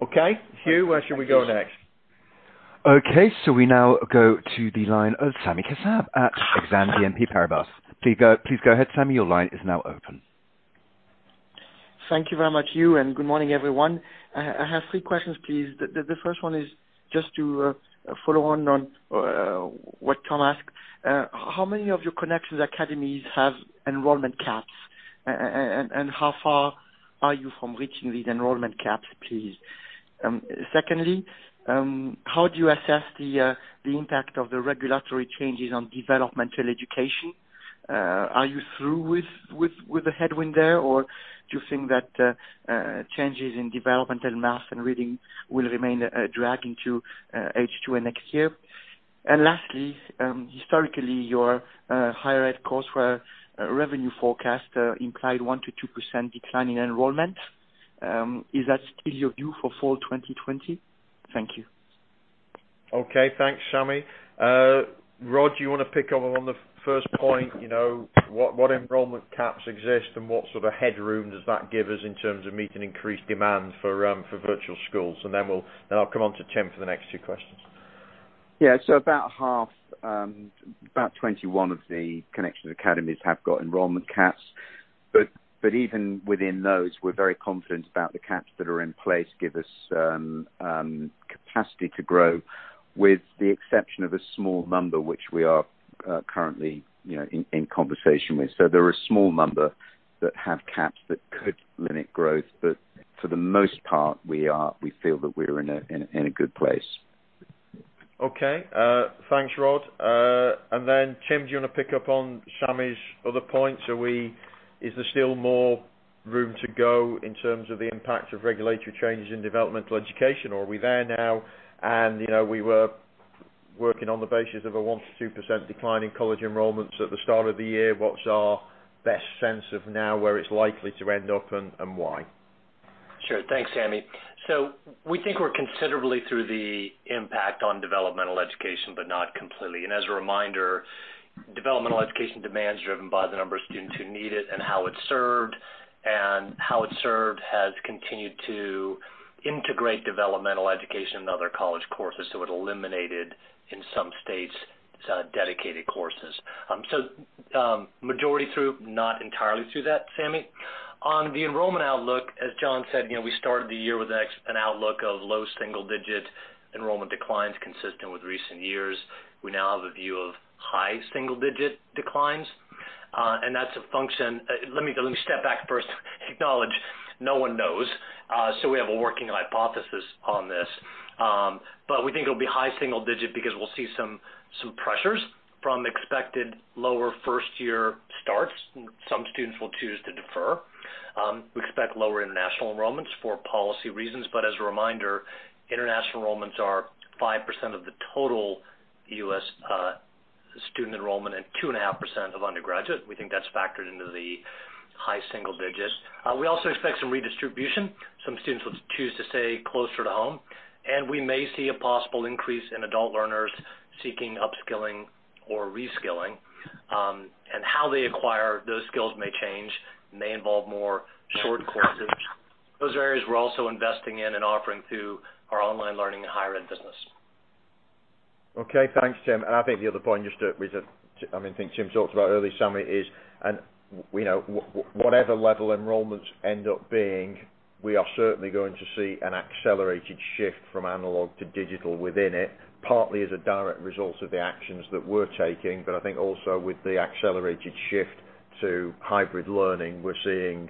Okay. Hugh, where should we go next? Okay, we now go to the line of Sami Kassab at Exane BNP Paribas. Please go ahead, Sami, your line is now open. Thank you very much, Hugh, and good morning, everyone. I have three questions, please. The first one is just to follow on what Tom asked. How many of your Connections Academy have enrollment caps? How far are you from reaching these enrollment caps, please? Secondly, how do you assess the impact of the regulatory changes on developmental education? Are you through with the headwind there, or do you think that changes in developmental math and reading will remain a drag into H2 next year? Lastly, historically, your higher ed courseware revenue forecast implied 1% to 2% decline in enrollment. Is that still your view for fall 2020? Thank you. Okay. Thanks, Sami. Rod, do you want to pick up on the first point, what enrollment caps exist and what sort of headroom does that give us in terms of meeting increased demand for virtual schools? I'll come on to Tim for the next two questions. Yeah. About half, about 21 of the Connections Academy have got enrollment caps. Even within those, we're very confident about the caps that are in place give us capacity to grow, with the exception of a small number which we are currently in conversation with. They're a small number that have caps that could limit growth. For the most part, we feel that we're in a good place. Okay. Thanks, Rod. Then Tim, do you want to pick up on Sami's other points? Is there still more room to go in terms of the impact of regulatory changes in developmental education? Are we there now, and we were working on the basis of a 1%-2% decline in college enrollments at the start of the year? What's our best sense of now where it's likely to end up and why? Sure. Thanks, Sami. We think we're considerably through the impact on developmental education, not completely. As a reminder, developmental education demand is driven by the number of students who need it and how it's served. How it's served has continued to integrate developmental education and other college courses, it eliminated, in some states, dedicated courses. Majority through, not entirely through that, Sami. On the enrollment outlook, as John said, we started the year with an outlook of low single-digit enrollment declines consistent with recent years. We now have a view of high single-digit declines. Let me step back first, acknowledge no one knows. We have a working hypothesis on this. We think it'll be high single-digit because we'll see some pressures from expected lower first-year starts. Some students will choose to defer. We expect lower international enrollments for policy reasons, as a reminder, international enrollments are 5% of the total U.S. student enrollment and 2.5% of undergraduate. We think that's factored into the high single digits. We also expect some redistribution. Some students will choose to stay closer to home, we may see a possible increase in adult learners seeking upskilling or reskilling. How they acquire those skills may change, may involve more short courses. Those areas we're also investing in and offering through our Global Online Learning and U.S. Higher Ed business. Okay. Thanks, Tim. I think the other point, I think Tim talked about earlier, Sami, is whatever level enrollments end up being, we are certainly going to see an accelerated shift from analog to digital within it, partly as a direct result of the actions that we're taking. I think also with the accelerated shift to hybrid learning, we're seeing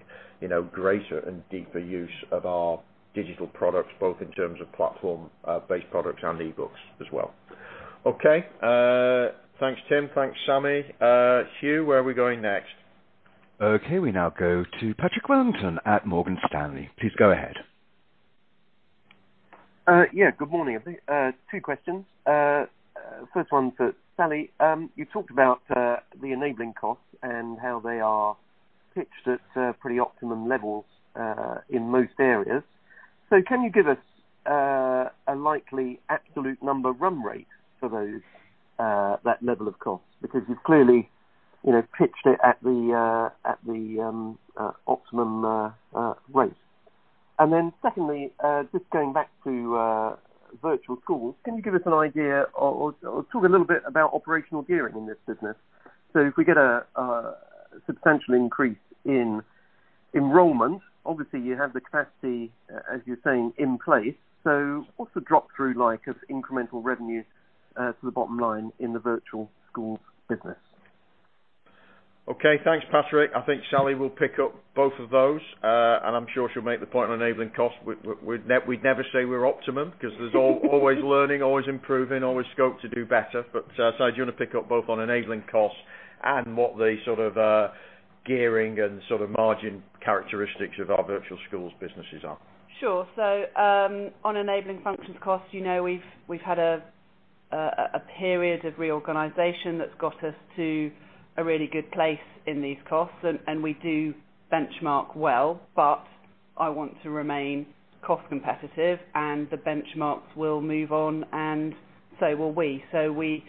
greater and deeper use of our digital products, both in terms of platform-based products and e-books as well. Okay. Thanks, Tim. Thanks, Sami. Hugh, where are we going next? Okay, we now go to Patrick Wellington at Morgan Stanley. Please go ahead. Yeah, good morning, everybody. Two questions. First one to Sally. You talked about the enabling costs and how they are pitched at pretty optimum levels in most areas. Can you give us a likely absolute number run rate for that level of cost? Because you've clearly pitched it at the optimum rate. Secondly, just going back to Virtual Schools, can you give us an idea or talk a little bit about operational gearing in this business? If we get a substantial increase in enrollment, obviously you have the capacity, as you're saying, in place. What's the drop-through like of incremental revenue to the bottom line in the Virtual Schools business? Okay. Thanks, Patrick. I think Sally will pick up both of those, and I'm sure she'll make the point on enabling costs. We'd never say we're optimum because there's always learning, always improving, always scope to do better. Sally, do you want to pick up both on enabling costs and what the sort of gearing and sort of margin characteristics of our Pearson Virtual Schools businesses are? Sure. On enabling functions costs, we've had a period of reorganization that's got us to a really good place in these costs, and we do benchmark well. I want to remain cost competitive and the benchmarks will move on, and so will we. We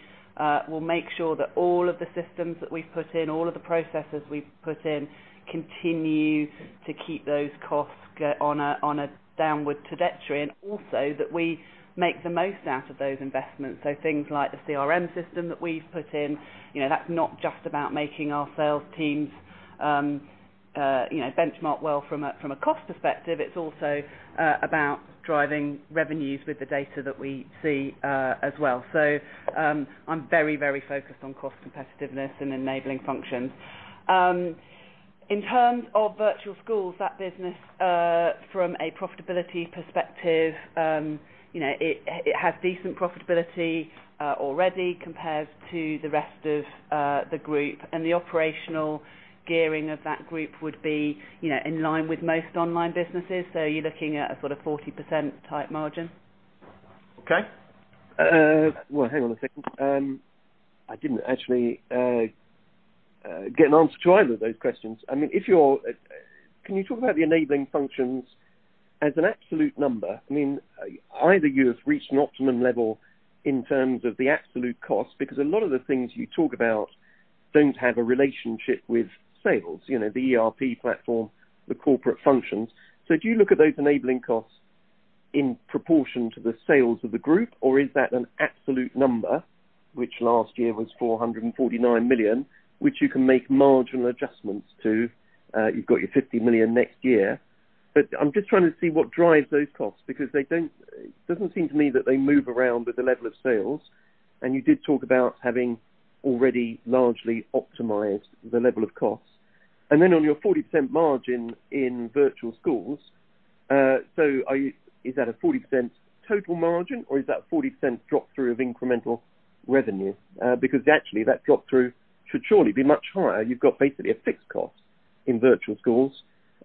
will make sure that all of the systems that we've put in, all of the processes we've put in, continue to keep those costs on a downward trajectory, and also that we make the most out of those investments. Things like the CRM system that we've put in, that's not just about making our sales teams benchmark well from a cost perspective, it's also about driving revenues with the data that we see, as well. I'm very focused on cost competitiveness and enabling functions. In terms of Virtual Schools, that business, from a profitability perspective, it has decent profitability already compared to the rest of the group, and the operational gearing of that group would be in line with most online businesses. You're looking at a sort of 40% type margin. Okay. Well, hang on a second. I didn't actually get an answer to either of those questions. Can you talk about the enabling functions as an absolute number? Either you have reached an optimum level in terms of the absolute cost, because a lot of the things you talk about don't have a relationship with sales, the ERP platform, the corporate functions. Do you look at those enabling costs in proportion to the sales of the group, or is that an absolute number, which last year was 449 million, which you can make marginal adjustments to? You've got your 50 million next year. I'm just trying to see what drives those costs, because it doesn't seem to me that they move around with the level of sales. You did talk about having already largely optimized the level of costs. On your 40% margin in Virtual Schools, is that a 40% total margin, or is that 40% drop-through of incremental revenue? Actually that drop-through should surely be much higher. You've got basically a fixed cost in Virtual Schools,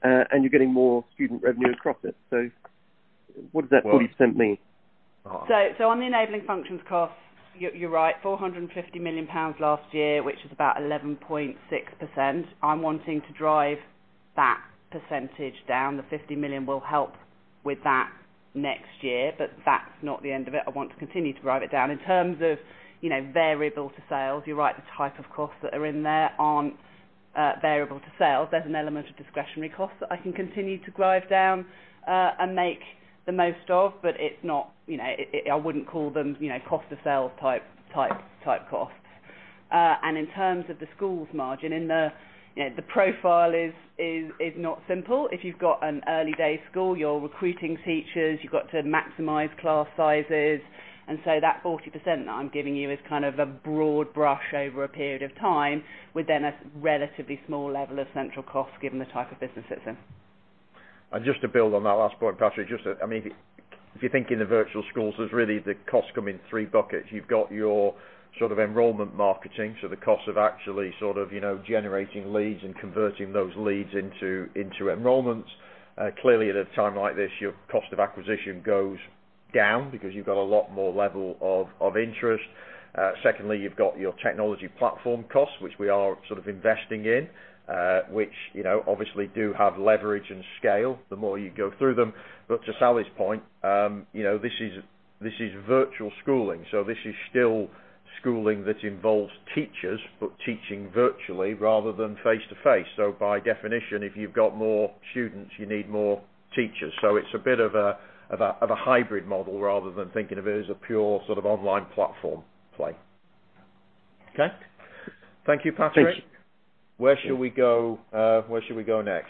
and you're getting more student revenue across it. What does that 40% mean? On the enabling functions costs, you're right, 450 million pounds last year, which is about 11.6%. I'm wanting to drive that percentage down. The 50 million will help with that next year, but that's not the end of it. I want to continue to drive it down. In terms of variable to sales, you're right, the type of costs that are in there aren't variable to sales. There's an element of discretionary costs that I can continue to drive down, and make the most of, but I wouldn't call them cost to sales type costs. In terms of the schools margin, the profile is not simple. If you've got an early day school, you're recruiting teachers, you've got to maximize class sizes. That 40% that I'm giving you is kind of a broad brush over a period of time, with then a relatively small level of central costs given the type of business it's in. Just to build on that last point, Patrick, if you're thinking of virtual schools, there's really the costs come in three buckets. You've got your sort of enrollment marketing, so the cost of actually sort of generating leads and converting those leads into enrollments. Clearly at a time like this, your cost of acquisition goes down because you've got a lot more level of interest. Secondly, you've got your technology platform costs, which we are sort of investing in, which obviously do have leverage and scale, the more you go through them. To Sally's point, this is virtual schooling, so this is still schooling that involves teachers, but teaching virtually rather than face-to-face. By definition, if you've got more students, you need more teachers. It's a bit of a hybrid model rather than thinking of it as a pure sort of online platform play. Okay. Thank you, Patrick. Thank you. Where should we go next?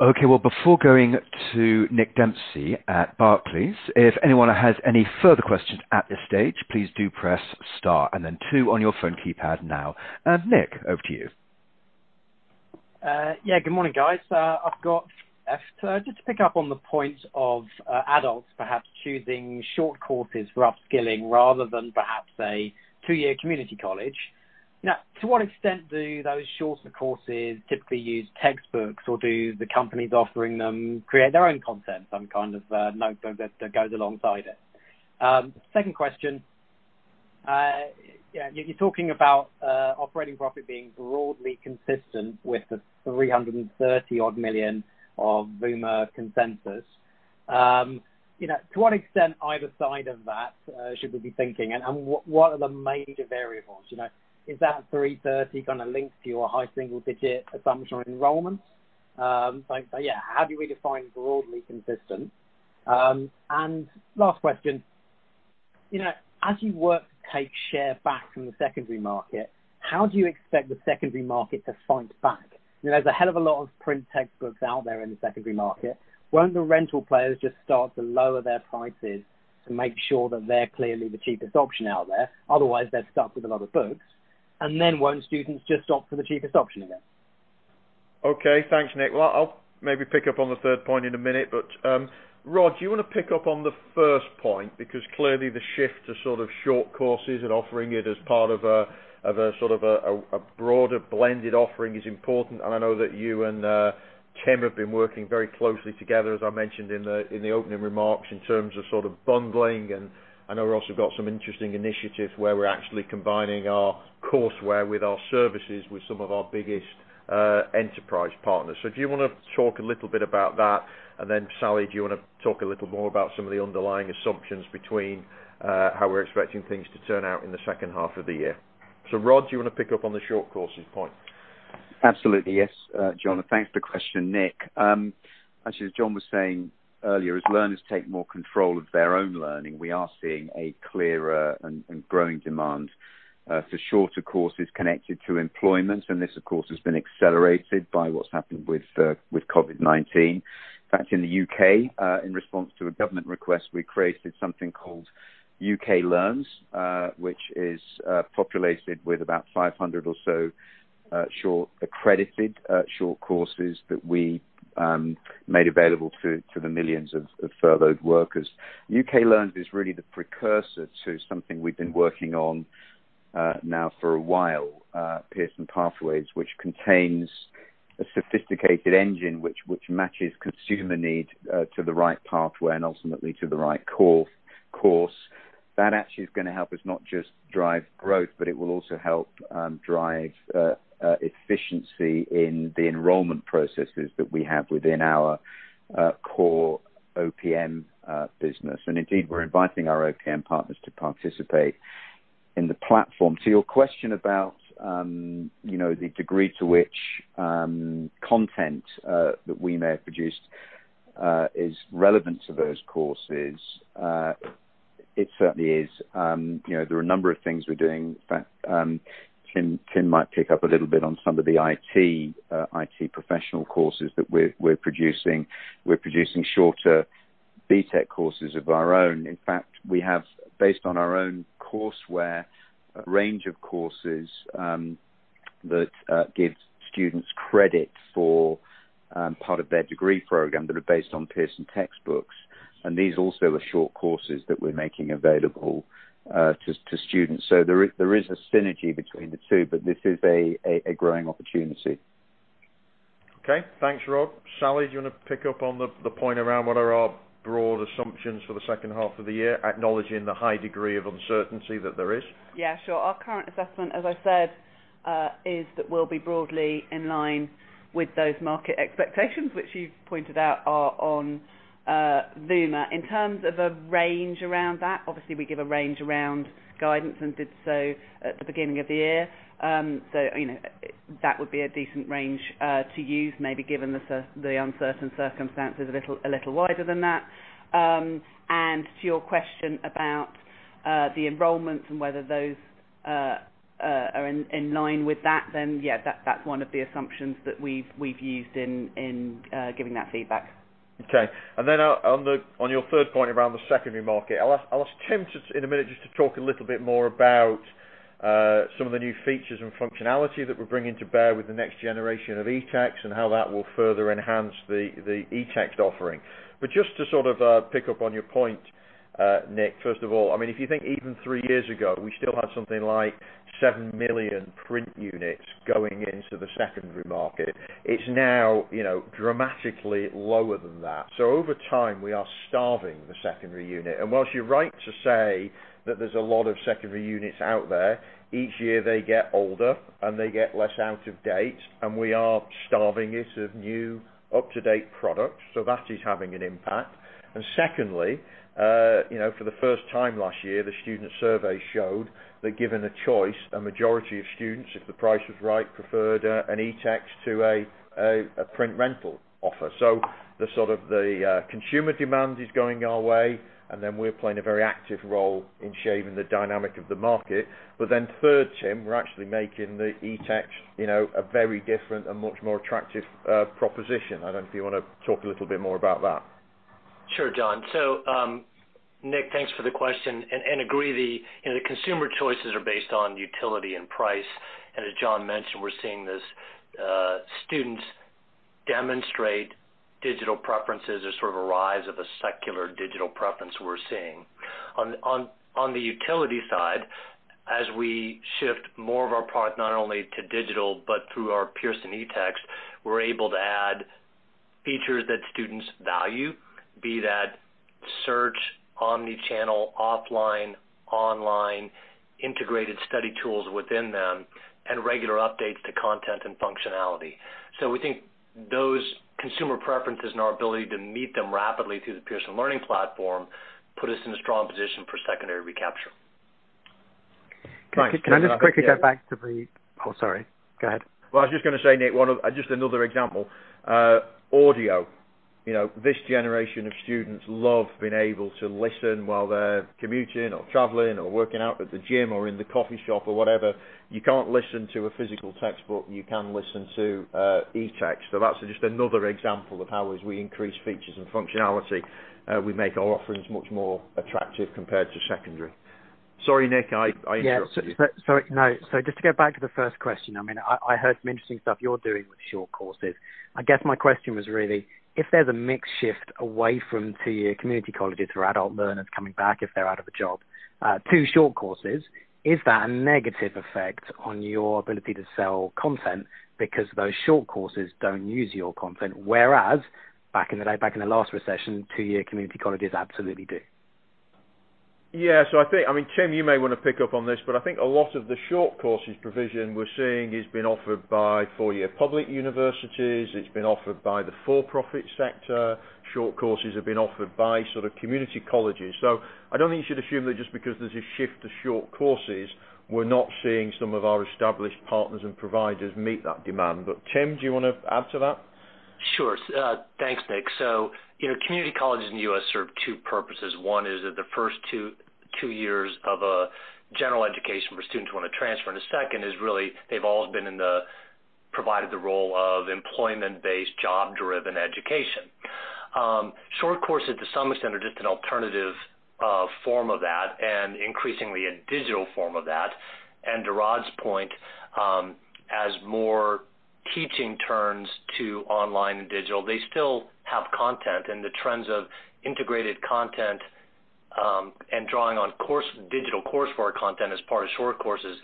Okay. Well, before going to Nick Dempsey at Barclays, if anyone has any further questions at this stage, please do press star and then two on your phone keypad now. Nick, over to you. Good morning, guys. I've got, just to pick up on the point of adults perhaps choosing short courses for upskilling rather than perhaps a two-year community college. To what extent do those shorter courses typically use textbooks or do the companies offering them create their own content, some kind of notes that goes alongside it? Second question. You're talking about operating profit being broadly consistent with the 330-odd million of Vuma consensus. To what extent either side of that should we be thinking, and what are the major variables? Is that 330 going to link to your high single-digit assumption on enrollment? How do we define broadly consistent? Last question. As you work to take share back from the secondary market, how do you expect the secondary market to fight back? There's a hell of a lot of print textbooks out there in the secondary market. Won't the rental players just start to lower their prices to make sure that they're clearly the cheapest option out there? Otherwise, they're stuck with a lot of books. Won't students just opt for the cheapest option again? Okay. Thanks, Nick. I'll maybe pick up on the third point in a minute. Rod, do you want to pick up on the first point? Clearly the shift to sort of short courses and offering it as part of a sort of a broader blended offering is important, and I know that you and Tim have been working very closely together, as I mentioned in the opening remarks, in terms of sort of bundling. I know we've also got some interesting initiatives where we're actually combining our courseware with our services with some of our biggest enterprise partners. Do you want to talk a little bit about that? Sally, do you want to talk a little more about some of the underlying assumptions between how we're expecting things to turn out in the second half of the year? Rod, do you want to pick up on the short courses point? Absolutely. Yes, John, thanks for the question, Nick. Actually, as John was saying earlier, as learners take more control of their own learning, we are seeing a clearer and growing demand for shorter courses connected to employment. This, of course, has been accelerated by what's happened with COVID-19. In fact, in the U.K., in response to a government request, we created something called UK Learns, which is populated with about 500 or so accredited short courses that we made available to the millions of furloughed workers. UK Learns is really the precursor to something we've been working on now for a while, Pearson Pathways, which contains a sophisticated engine which matches consumer need to the right pathway and ultimately to the right course. That actually is going to help us not just drive growth, but it will also help drive efficiency in the enrollment processes that we have within our core OPM business. Indeed, we're inviting our OPM partners to participate in the platform. To your question about the degree to which content that we may have produced is relevant to those courses, it certainly is. There are a number of things we're doing. In fact, Tim might pick up a little bit on some of the IT professional courses that we're producing. We're producing shorter BTEC courses of our own. In fact, we have, based on our own courseware, a range of courses that give students credit for part of their degree program that are based on Pearson textbooks. These also are short courses that we're making available to students. There is a synergy between the two, but this is a growing opportunity. Okay. Thanks, Rod. Sally, do you want to pick up on the point around what are our broad assumptions for the second half of the year, acknowledging the high degree of uncertainty that there is? Yeah, sure. Our current assessment, as I said, is that we'll be broadly in line with those market expectations, which you pointed out are on Vuma. In terms of a range around that, obviously, we give a range around guidance and did so at the beginning of the year. That would be a decent range to use, maybe given the uncertain circumstances, a little wider than that. To your question about the enrollments and whether those are in line with that, then, yeah, that's one of the assumptions that we've used in giving that feedback. Okay. On your third point around the secondary market, I'll ask Tim just in a minute just to talk a little bit more about some of the new features and functionality that we're bringing to bear with the next generation of eText and how that will further enhance the eText offering. Just to sort of pick up on your point, Nick, first of all, if you think even three years ago, we still had something like 7 million print units going into the secondary market. It's now dramatically lower than that. Over time, we are starving the secondary unit. Whilst you're right to say that there's a lot of secondary units out there, each year they get older, and they get less out of date, and we are starving it of new, up-to-date products. That is having an impact. Secondly, for the first time last year, the student survey showed that given a choice, a majority of students, if the price was right, preferred an eText to a print rental offer. The consumer demand is going our way, and then we're playing a very active role in shaping the dynamic of the market. Third, Tim, we're actually making the eText a very different and much more attractive proposition. I don't know if you want to talk a little bit more about that. Sure, John. Nick, thanks for the question. We agree the consumer choices are based on utility and price. As John mentioned, we're seeing this. Students demonstrate digital preferences or sort of a rise of a secular digital preference we're seeing. On the utility side, as we shift more of our product not only to digital but through our Pearson eText, we're able to add features that students value. Be that search, omni-channel, offline, online, integrated study tools within them, and regular updates to content and functionality. We think those consumer preferences and our ability to meet them rapidly through the Pearson Learning Platform put us in a strong position for secondary recapture. Thanks. Can I just quickly get back to the Oh, sorry. Go ahead. Well, I was just going to say, Nick, just another example. Audio. This generation of students love being able to listen while they're commuting or traveling or working out at the gym or in the coffee shop or whatever. You can't listen to a physical textbook. You can listen to eText. That's just another example of how, as we increase features and functionality, we make our offerings much more attractive compared to secondary. Sorry, Nick, I interrupted you. Yeah. No. Just to go back to the first question. I heard some interesting stuff you're doing with short courses. I guess my question was really, if there's a mixed shift away from two-year community colleges or adult learners coming back if they're out of a job, to short courses, is that a negative effect on your ability to sell content because those short courses don't use your content? Whereas back in the day, back in the last recession, two-year community colleges absolutely did. Yeah. I think, Tim, you may want to pick up on this, but I think a lot of the short courses provision we're seeing has been offered by four-year public universities. It's been offered by the for-profit sector. Short courses have been offered by sort of community colleges. I don't think you should assume that just because there's a shift to short courses, we're not seeing some of our established partners and providers meet that demand. Tim, do you want to add to that? Sure. Thanks, Nick. Community colleges in the U.S. serve two purposes. One is that the first two years of a general education for students who want to transfer. The second is really, they've always been in the provided the role of employment-based, job-driven education. Short courses, to some extent, are just an alternative form of that and increasingly a digital form of that. To Rod's point, as more teaching turns to online and digital, they still have content. The trends of integrated content, and drawing on digital courseware content as part of short courses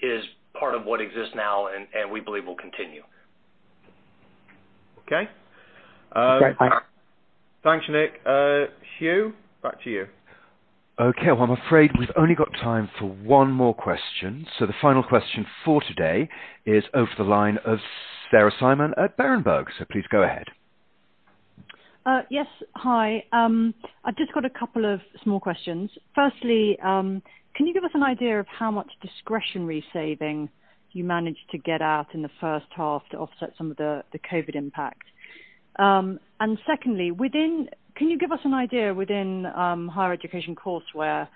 is part of what exists now and we believe will continue. Okay. Great, thanks. Thanks, Nick. Hugh, back to you. Well, I'm afraid we've only got time for one more question. The final question for today is over the line of Sarah Simon at Berenberg. Please go ahead. Yes. Hi. I've just got a couple of small questions. Firstly, can you give us an idea of how much discretionary saving you managed to get out in the first half to offset some of the COVID impact? Secondly, can you give us an idea within higher education courseware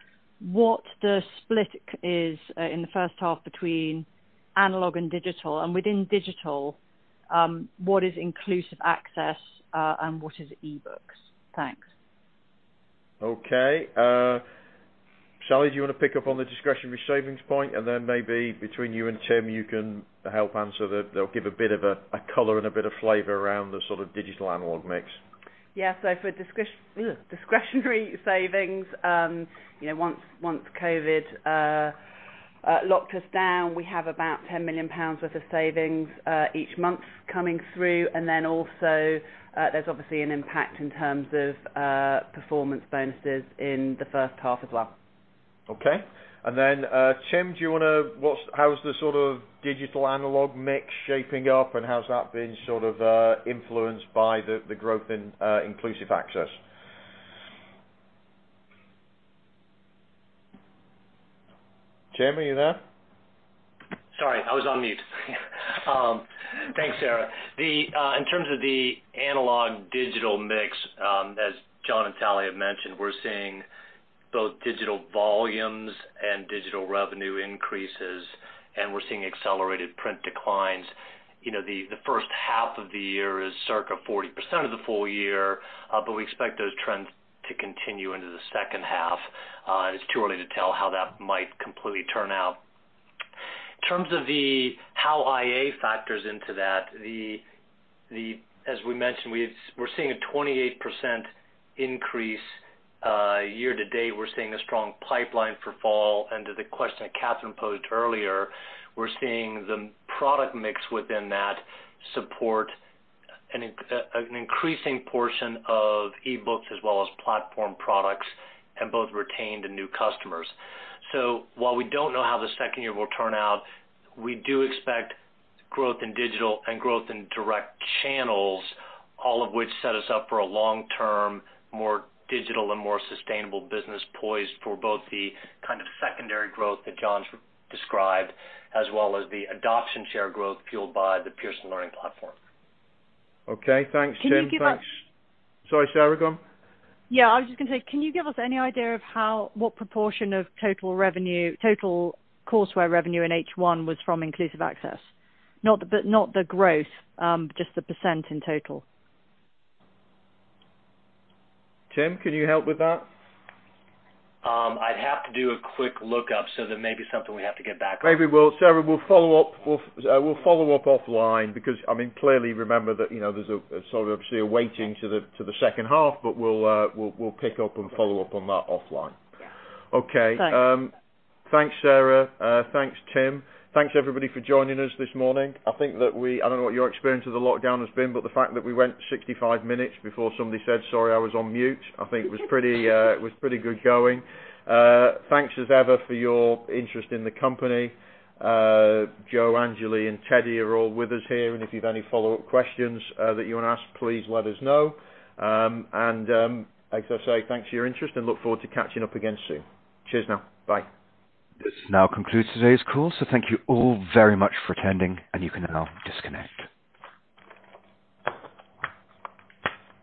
what the split is in the first half between analog and digital? Within digital, what is Inclusive Access, and what is e-books? Thanks. Okay. Sally, do you want to pick up on the discretionary savings point, and then maybe between you and Tim, you can help answer. They'll give a bit of a color and a bit of flavor around the sort of digital analog mix. Yeah. For discretionary savings, once COVID locked us down, we have about 10 million pounds worth of savings each month coming through. Also, there's obviously an impact in terms of performance bonuses in the first half as well. Okay. Tim, how's the sort of digital analog mix shaping up, and how's that been sort of influenced by the growth in Inclusive Access? Tim, are you there? Sorry, I was on mute. Thanks, Sarah. In terms of the analog digital mix, as John and Sally have mentioned, we're seeing both digital volumes and digital revenue increases, and we're seeing accelerated print declines. The first half of the year is circa 40% of the full year. We expect those trends to continue into the second half. It's too early to tell how that might completely turn out. In terms of how IA factors into that, as we mentioned, we're seeing a 28% increase year to date. We're seeing a strong pipeline for fall. To the question that Katherine posed earlier, we're seeing the product mix within that support an increasing portion of e-books as well as platform products in both retained and new customers. While we don't know how the second year will turn out, we do expect growth in digital and growth in direct channels, all of which set us up for a long-term, more digital and more sustainable business poised for both the kind of secondary growth that John's described, as well as the adoption share growth fueled by the Pearson Learning Platform. Okay. Thanks, Tim. Can you give us- Thanks. Sorry, Sarah, go on. Yeah, I was just going to say, can you give us any idea of what proportion of total courseware revenue in H1 was from Inclusive Access? Not the growth, just the percent in total. Tim, can you help with that? I'd have to do a quick lookup, so that may be something we have to get back on. Maybe we'll Sarah, we'll follow up offline because, I mean, clearly remember that there's a sort of obviously a weighting to the second half, but we'll pick up and follow up on that offline. Yeah. Okay. Thanks. Thanks, Sarah. Thanks, Tim. Thanks everybody for joining us this morning. I don't know what your experience of the lockdown has been, but the fact that we went 65 minutes before somebody said, "Sorry, I was on mute," I think it was pretty good going. Thanks as ever for your interest in the company. Jo, Anjali, and Teddy are all with us here, and if you have any follow-up questions that you want to ask, please let us know. As I say, thanks for your interest and look forward to catching up again soon. Cheers now. Bye. This now concludes today's call. Thank you all very much for attending. You can now disconnect.